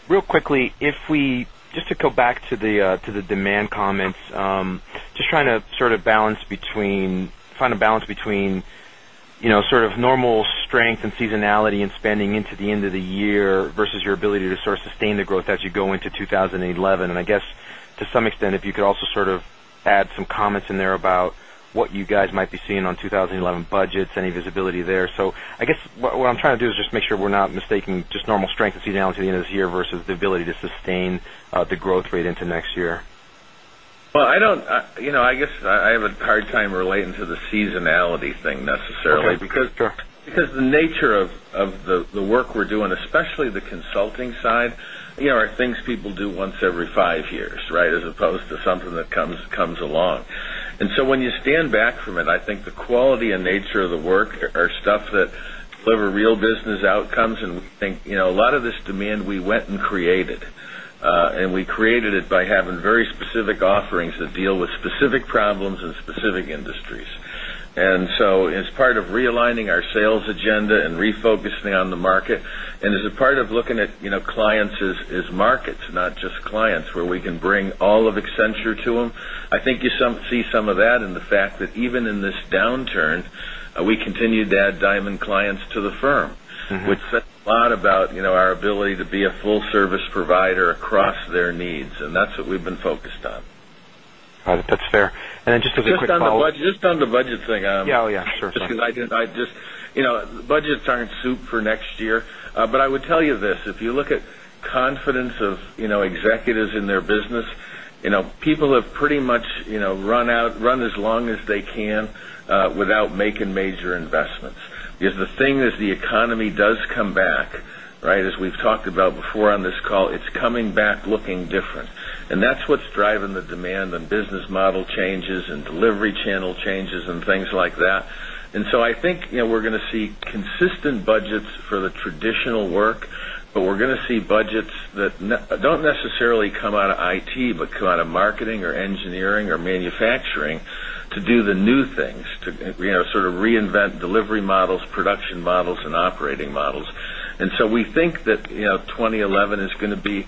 Real quickly, if we just to go back to the demand comments, just trying to sort of balance between sort of normal strength and seasonality and spending into the end of the year versus your ability to sort of sustain the growth as you go into 20 11? And I guess, to some extent, if you could also sort of add some comments in there about what you guys might be seeing on 20 11 budgets, any visibility there. So I guess what I'm trying to do is just make sure we're not mistaking just normal strength and seasonality at the end of this year versus the ability to sustain the growth rate into next year? Well, I don't I guess, I have a hard time relating to the seasonality thing necessarily, because the nature of the work we're doing, especially the consulting side, are things people do once every 5 years, right, as opposed to something that comes along. And so when you stand back from it, I think the quality and nature of the work are stuff that deliver real business outcomes and we think a lot of this demand we went and created. And we created it by having very specific offerings that deal with specific problems in specific industries. And so as part of realigning our sales agenda and refocusing on the market and as a part of looking at clients as markets, not just clients where we can bring all of Accenture to them. I think you see some of that in the fact that even in this downturn, we continue to add Diamond clients to the firm, which says a lot about our ability to be a full service provider across their needs and that's what we've been focused on. Got it. That's fair. And then just as a quick follow-up Just on the budget thing. Yes. Sure. Just budgets aren't soup for next year. But I would tell you this, if you look at confidence of executives in their business, people have pretty much run out run as long as they can without making major investments. Because the thing is the economy does come back, right, as we've talked about before on this call, it's coming back looking different. And that's what's driving the demand and business model changes and delivery channel changes and things like that. And so I think we're going to see consistent budgets for the traditional work, but we're going to see budgets that don't necessarily come out of IT, but come out of marketing or engineering or manufacturing to do the new things to sort of reinvent delivery models, production models and operating models. And so, we think that 2011 is going to be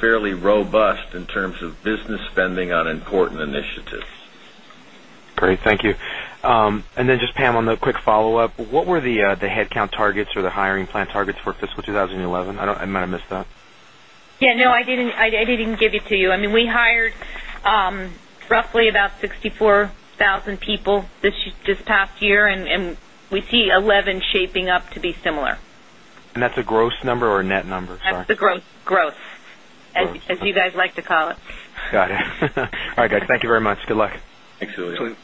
fairly robust in terms of business spending on important initiatives. Great. Thank you. And then just Pam on the quick follow-up, what were the headcount targets or the hiring plan targets for fiscal 2011? I might have missed that. No, I didn't give it to you. I mean, we hired roughly about 64,000 people this past year and we see 11,000 shaping up to be similar. And that's a gross number or a net number? That's the gross, as you guys like to call it. Got it. All right, guys. Thank you very much. Good luck. Thanks, Ilya. Thanks,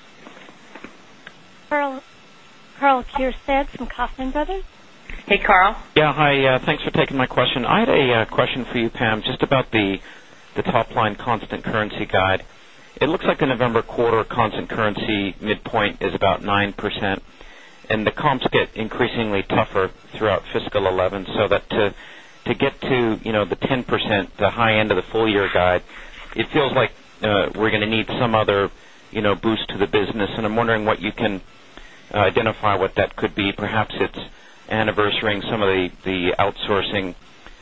Ilya. Karl Keirstead from Kaufman Brothers. Hey, Karl. Yeah. Hi. Thanks for taking my question. I had a question for you Pam just about the top line constant currency guide. It looks like the November quarter constant currency midpoint is about 9% and the comps get increasingly tougher throughout fiscal 2011. So that to get to the 10% the high end of the full year guide, it feels like we're going to need some other boost to the business. And I'm wondering what you can identify what that could be perhaps it's anniversarying some of the outsourcing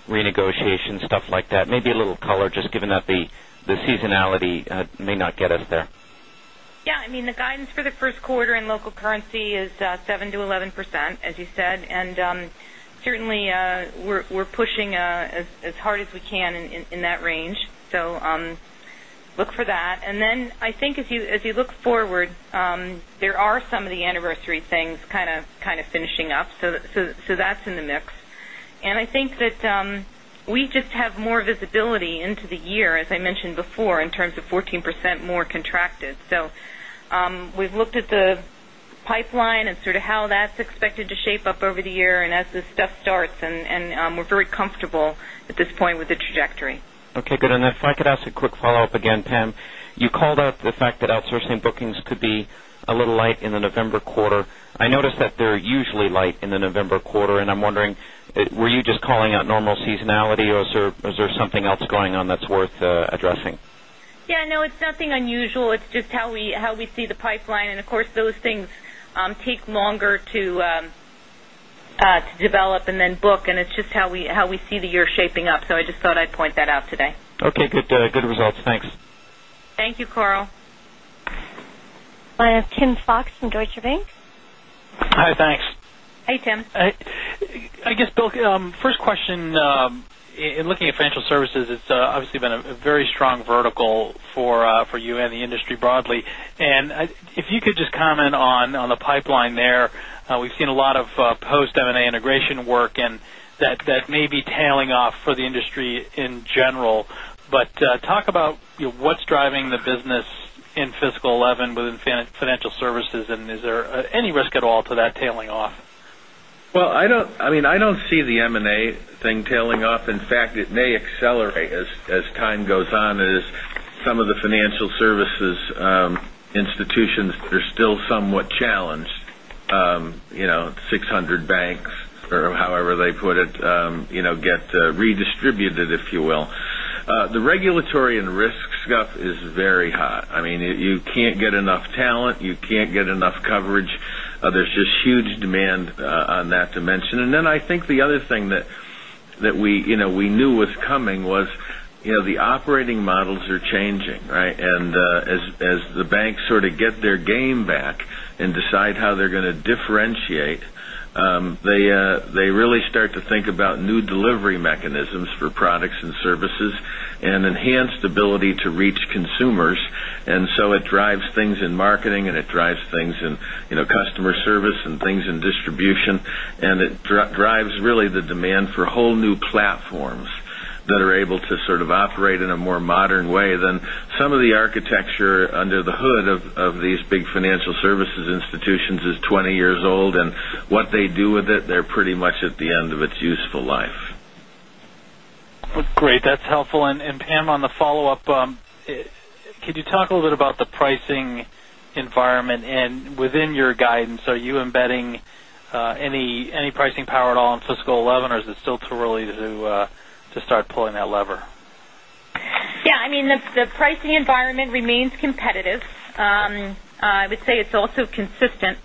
renegotiations stuff like that. Maybe a little color just given that the seasonality may not get us there? Yes. I mean the guidance for the Q1 in local we can in that range. So, look for that. And then I think as you look forward, there are some of the anniversary things kind of finishing up. So that's in the mix. And I think that we just have more visibility into the year, as I mentioned before, in terms of 14% more contracted. So, we've looked at the pipeline and sort of how that's expected to shape up over the year and as this stuff starts and we're very comfortable at this point with the trajectory. Okay, good. And then if I could ask a quick follow-up again, Pam. You called out the fact that outsourcing bookings could be a little light in the November quarter. I noticed that they're usually light in the November quarter. And I'm wondering, were you just calling out normal seasonality? Or is there something else going on that's worth addressing? Yes. No, it's nothing unusual. It's just how we see the pipeline. And of course, those things take longer to develop and then book and it's just how we see the year shaping up. So I just thought I'd point that out today. Okay. Good results. Thanks. Thank you, Carl. We have Tim Fox from Deutsche Bank. Hi, thanks. Hi, Tim. I guess, Bill, first question, looking at Financial Services, it's obviously been a strong vertical for you and the industry broadly. And if you could just comment on the pipeline there, we've seen lot of post M and A integration work and that may be tailing off for the industry in general. But talk about what's driving the business in fiscal 2011 within Financial Services and is there any risk at all to that tailing off? Well, I don't see the M and A thing tailing off. In fact, it may accelerate as time goes on. Some of the Financial Services institutions are still somewhat challenged, 600 banks or however they put it, get redistributed it, if you will. The regulatory and risk stuff is very high. I mean, you can't get enough talent, you can't get enough coverage. There's just huge demand on that dimension. And then I think the other thing that they as the bank sort of get their game back and decide how they're going to differentiate, they really start to think about new delivery mechanisms for products and services and enhanced ability to reach consumers. And so it drives things in marketing and it drives things in customer service and things in distribution. And it drives really the demand for whole new platforms that are able to sort of operate in a more modern way than some of the architecture under the hood of these big financial services institutions on the follow-up, could you talk a little bit about the pricing environment? And within your guidance, are you embedding any pricing power at all in fiscal 2011? Or is it still too early to start pulling that lever? Yes. I mean, the pricing environment remains competitive. I would say it's also consistent.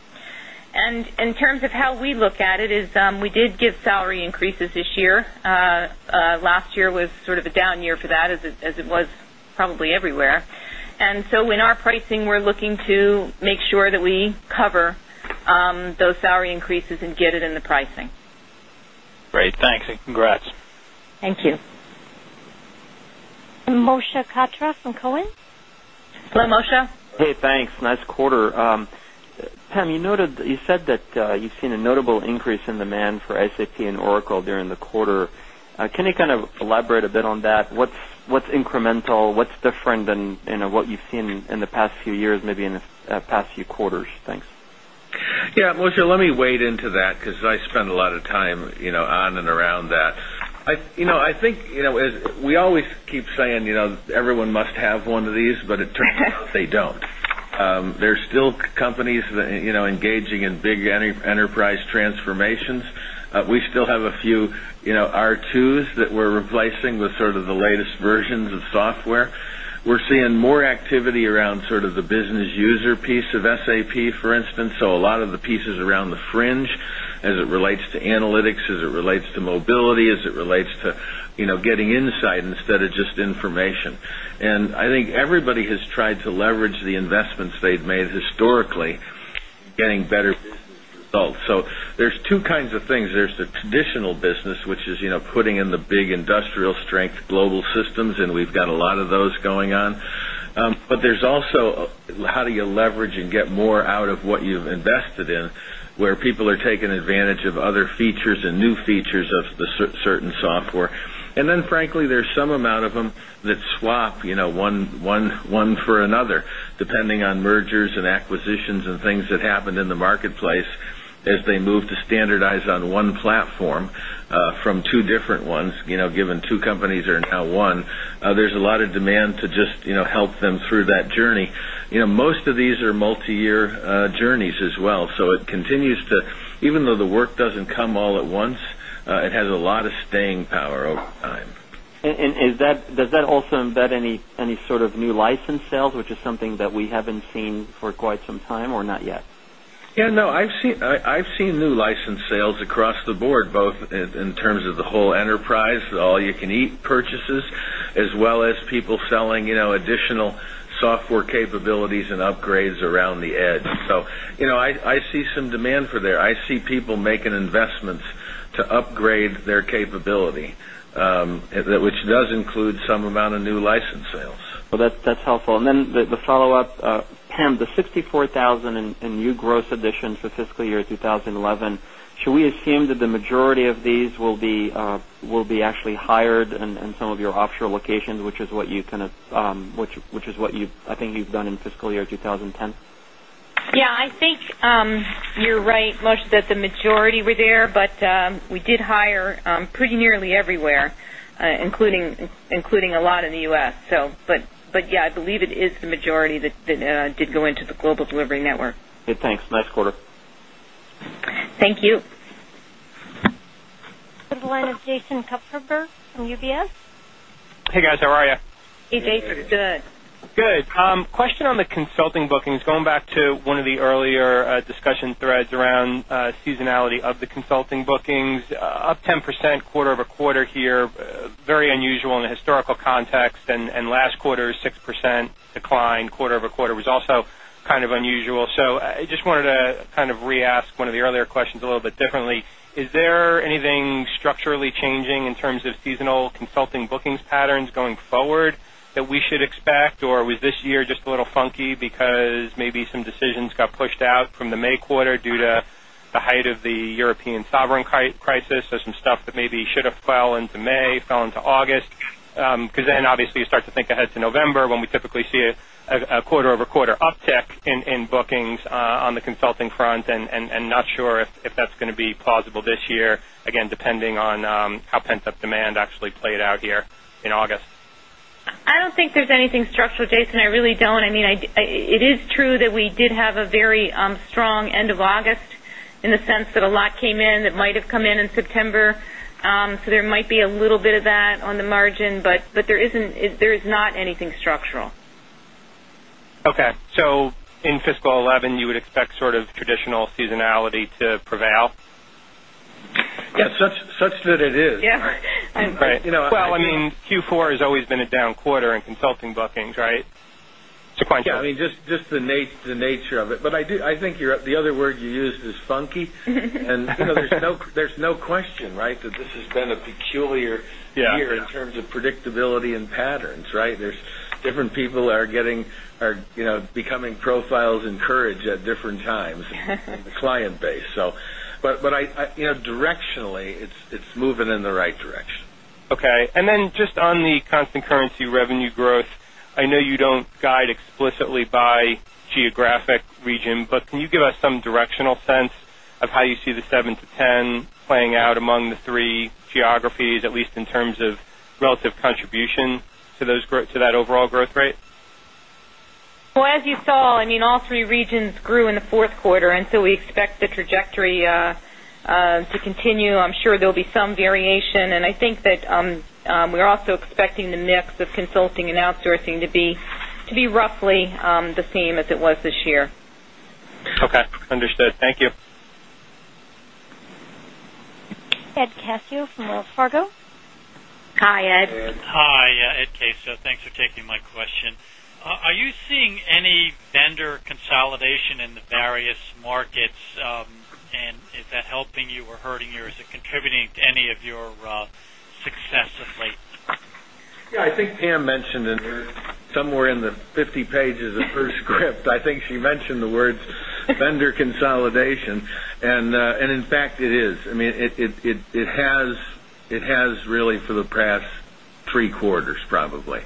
And in terms of how we look at it is we did give salary increases this year. Last year was sort of a down year for that as it was probably everywhere. And so in our pricing, we're looking to make sure that we cover those salary increases and get it in the pricing. Moshe Katra from Cowen. Hello Moshe. Hey, thanks. Nice quarter. Pam, you noted you said that you've seen a notable increase in demand for SAP and Oracle during the quarter. Can you kind of elaborate a bit on that? What's incremental? What's different than what you've seen in the past few years, maybe in the past few quarters? Thanks. Yes. Let me wade into that because I spend a lot of time on and around that. I think we always keep saying everyone must have one of these, but it turns out they don't. There are still companies engaging in big enterprise transformations. We still have a few R2s that we're replacing with sort of the latest versions of software. We're seeing more activity around sort of the business user piece of SAP, for instance. So a lot of the pieces around the fringe as it relates to analytics, as it relates to mobility, as it relates to getting insight instead of just information. And I think everybody has tried to leverage the investments they've made historically, getting better results. So, there's 2 kinds of things. There's the traditional business, which is putting in the big industrial strength global systems and we've got a lot of those going on. But there's also how do you leverage and get more out of what you've invested in where people are taking advantage of other features and new features of the certain software. And then frankly, there's some amount of them that swap one for another depending on mergers and acquisitions and things that happened in the marketplace as they move to standardize on one platform from 2 different ones, given 2 companies are now 1, there's a lot of demand to just help them through that journey. Most of these are multi year journeys as well. So, it continues to even though the work doesn't come all at once, it has a lot of staying power over time. And is that does that also embed any sort of new license sales, which is something that we haven't seen for quite some time or not yet? Yes. No, I've seen new license sales across the board, both in terms of the whole enterprise, all you can eat purchases, as well as people selling additional software capabilities and upgrades around the edge. So, I see some demand for there. I see people making investments to upgrade their capability, which does include some amount of new license sales. Well, that's helpful. And then the follow-up, Pam, the 64,000 new gross additions for fiscal year 2011, should we assume that the majority of these will be actually hired in some of your offshore locations, which is what you kind of which is what you've I think you've done in fiscal year 2010? Yes. I think you're right Moshe that the majority were there, but we did hire pretty nearly everywhere, including a lot in the U. S. So but yes, I believe it is the majority that did go into the global delivery network. Thanks. Nice quarter. Thank you. From the line of Jason Kupferberg from UBS. Hey guys, how are you? Hey, Jason. Good. Good. Question on the consulting bookings, going back to one of the earlier discussion threads around seasonality of the consulting bookings, up 10% quarter over quarter here, very unusual in a historical context and last quarter's 6% decline quarter over quarter was also kind of unusual. So I just wanted to kind of re ask one of the earlier questions a little bit differently. Is there anything structurally changing in terms of seasonal consulting bookings patterns going forward that we should expect? Or was this year just a little funky because maybe some decisions got pushed out from the May quarter due to the European sovereign crisis or some stuff that maybe should have fell into May, fell into August? Because then obviously you start to think ahead to November when we typically see a quarter over quarter uptick in bookings on the consulting front and not sure if that's going to be plausible this year, again, depending on how pent up demand actually played out here in August? I don't think there's anything structural, Jason. I really don't. I mean, it is true that we did have a very strong end of August in the sense that a lot came in that might have come in, in September. So there might be a little bit of that on the margin, but there isn't there is not anything structural. Okay. So in fiscal 2011, you would expect sort of traditional seasonality to prevail? Yes, such that it is. Yes. Well, I mean Q4 has always been a down quarter in consulting bookings, right? Sequentially? Yes. I mean just the nature of it. But I think the other word you used is funky. And there's no question, right, that this has been a peculiar year in terms of predictability and patterns, right? There's different people are getting are becoming profiles encourage at different times in the client base. So, but directionally, it's moving in the right direction. Okay. And then just on the constant currency revenue growth, I know you don't guide explicitly by geographic region, but can you give us some directional sense of how you see the 7% to 10% playing out among the 3 geographies, at least in terms of relative contribution to those growth to that overall growth rate? Well, as you saw, I mean, all three regions grew in the Q4 and so we expect the trajectory to continue. I'm sure there'll be some variation and I think that we're also expecting the mix of consulting and outsourcing to be roughly the same as it was this year. Okay, understood. Thank you. Ed Caso from Wells Fargo. Hi, Ed. Hi, Ed Cascio. Thanks for taking my question. Are you seeing any vendor consolidation in the various markets? And is that helping you or hurting you or is it contributing to any of your success of late? Yes. I think Pam mentioned somewhere in the 50 pages of her script. I think she mentioned the words vendor consolidation. And in fact, it is. I mean, it has past 3 quarters probably.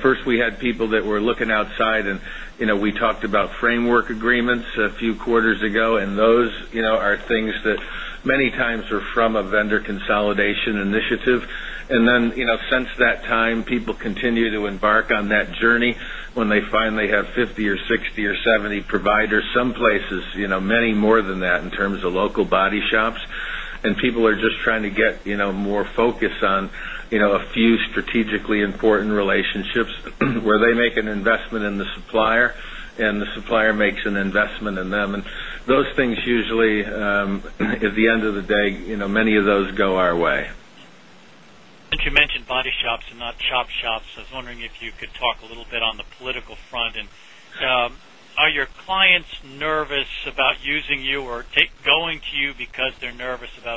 First, we had people that were looking outside and we talked about framework agreements a few quarters ago and those are things that many times are from a vendor consolidation initiative. And then since that time, people continue to embark on that journey when they finally have 50 or 60 or 70 providers, some places, many more than that in terms of local body shops and people are just trying to get more focus on a few strategically important relationships where they make an investment in the supplier and the supplier makes an investment in them. And those things usually at the end of the day, many of those go our way. And you mentioned body shops and not chop shops. I was wondering if you could talk a little bit on the political front. And are your clients nervous about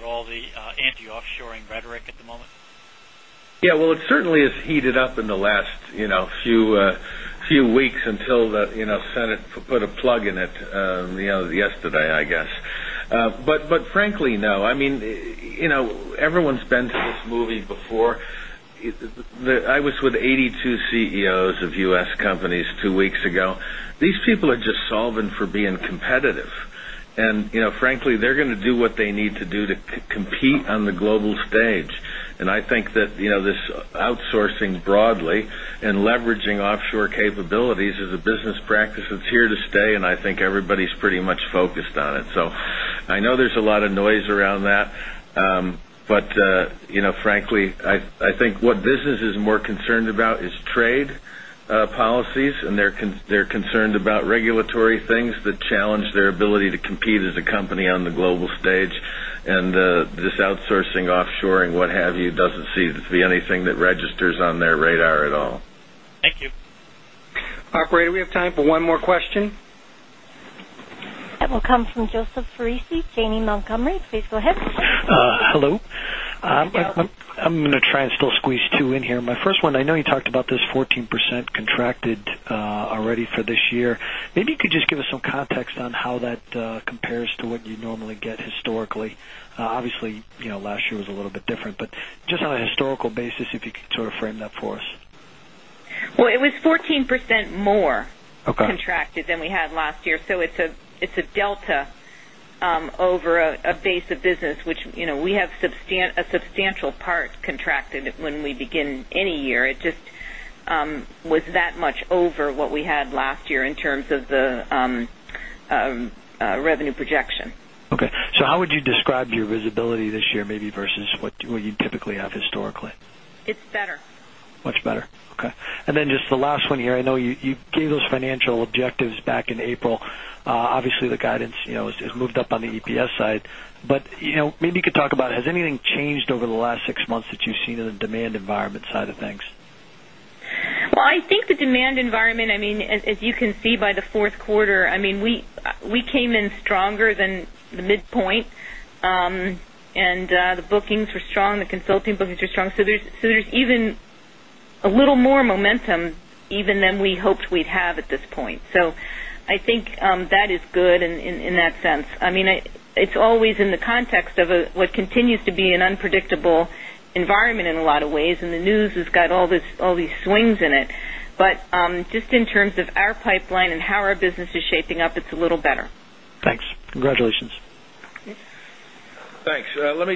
all the anti offshoring rhetoric at the moment? Yes. Well, it certainly has heated up in the last few weeks until the Senate put a plug in it yesterday, I guess. But frankly, no. I mean, everyone's been to this movie before. I was with 82 CEOs of U. S. Companies 2 weeks ago. These people are just solving for being competitive. And frankly, they're going to do what they need to do to compete on the global stage. And I think that this outsourcing broadly and leveraging offshore capabilities as a business practice, it's here to stay and I think everybody is pretty much focused on it. So I know there's a lot of noise around that, But frankly, I think what business is more concerned about is trade policies and they're concerned about regulatory things that challenge their ability to compete as a company on the global stage. And this outsourcing, offshoring, what have you, doesn't seem to be anything that registers on their radar at all. Thank you. Operator, we have time for one more question. That will come from Joseph Foresi, Janney Montgomery. Hello. I'm going to try and still squeeze 2 in here. My first one, I know you talked about this 14% contracted already for this year. Maybe you could just give us some context on how that compares to what you normally get historically? Obviously, last year was little bit different, but just on a historical basis, if you could sort of frame that for us. Well, it was 14% more contracted than we had last year. So it's a delta over a base of business, which we have a substantial part contracted when we begin any year. It just was that much over what we had last year in terms of the revenue projection. Okay. So how would your visibility this year maybe versus what you typically have historically? It's better. Much better. Okay. And then just the last here. I know you gave those financial objectives back in April. Obviously, the guidance has moved up on the EPS side. But maybe you could talk about has anything changed over the last 6 months that you've seen in the demand environment side of things? Well, I think the demand environment, I mean, as you can see by the Q4, I mean, we came in stronger than the midpoint. And the bookings were strong, the consulting bookings are strong. So there's even a little more momentum even than we hoped we'd have at this point. So I think that is good in that sense. I mean, it's always in the context of what continues to be an unpredictable environment in a lot of ways and the news has got all these swings in it. But just in terms of our pipeline and how our business is shaping up, it's a little better. Thanks. Let me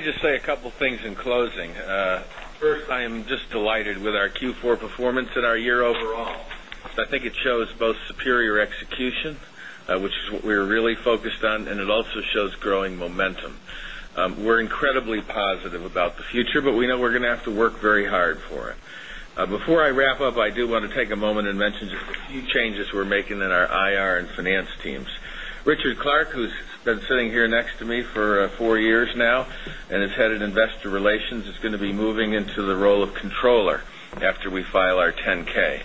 just say a couple of things in closing. First, I am just delighted with our Q4 performance and our year overall. I think it shows both superior execution, which is what we're really focused on and it also shows growing momentum. We're incredibly positive about the future, but we know we're going to have to work very hard for it. Before I wrap up, I do want to take a moment and mention just a few changes we're making in our IR and finance teams. Richard Clark, who's been sitting here next to me for 4 years now and is Head of Investor Relations, is going to be moving into the role of Controller after we file our 10 ks.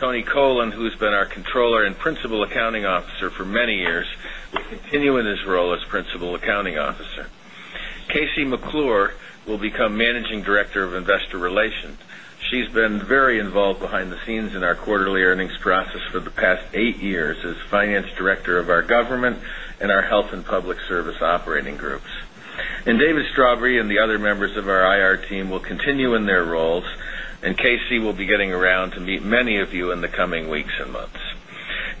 Tony Colan, who has been our Controller and Principal Accounting Officer for many years, will continue in his role as Principal Accounting Officer. Casey McClure will become Managing Director of Investor Relations. She's been very involved behind the scenes in our quarterly earnings process for the past 8 years as Finance Director of our government and our health and public service operating groups. And David Strawberry and the other 100 and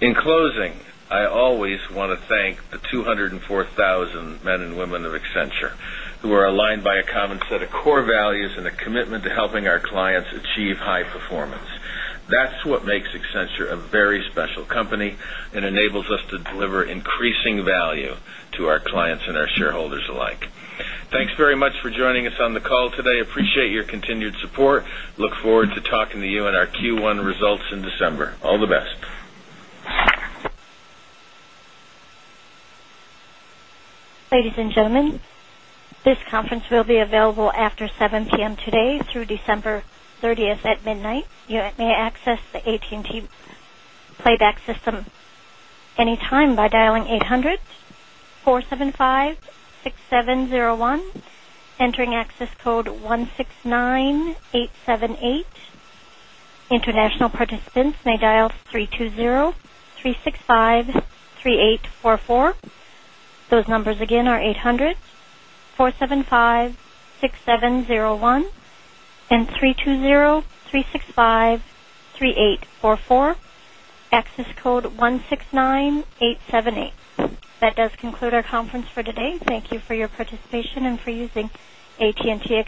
In closing, I always want to thank the 204,000 men and women of Accenture who are aligned by a common set of core values and a commitment to helping our clients achieve high performance. That's what makes Accenture a very special company and enables us to deliver increasing value to our clients and our shareholders alike. Thanks very much for joining us on the call today. Appreciate your continued support. Look forward to talking to you this conference will be available after 7 p. M. Today through December 30 at midnight. You may access the AT and T playback system anytime by dialing 800-475-6701, entering access code 169, 878. International participants may dial 320-365-3844. Those numbers again are 800-475-6701320-365 3844, access code 169,878. That does conclude our conference for today. Thank you for your participation and for using AT and T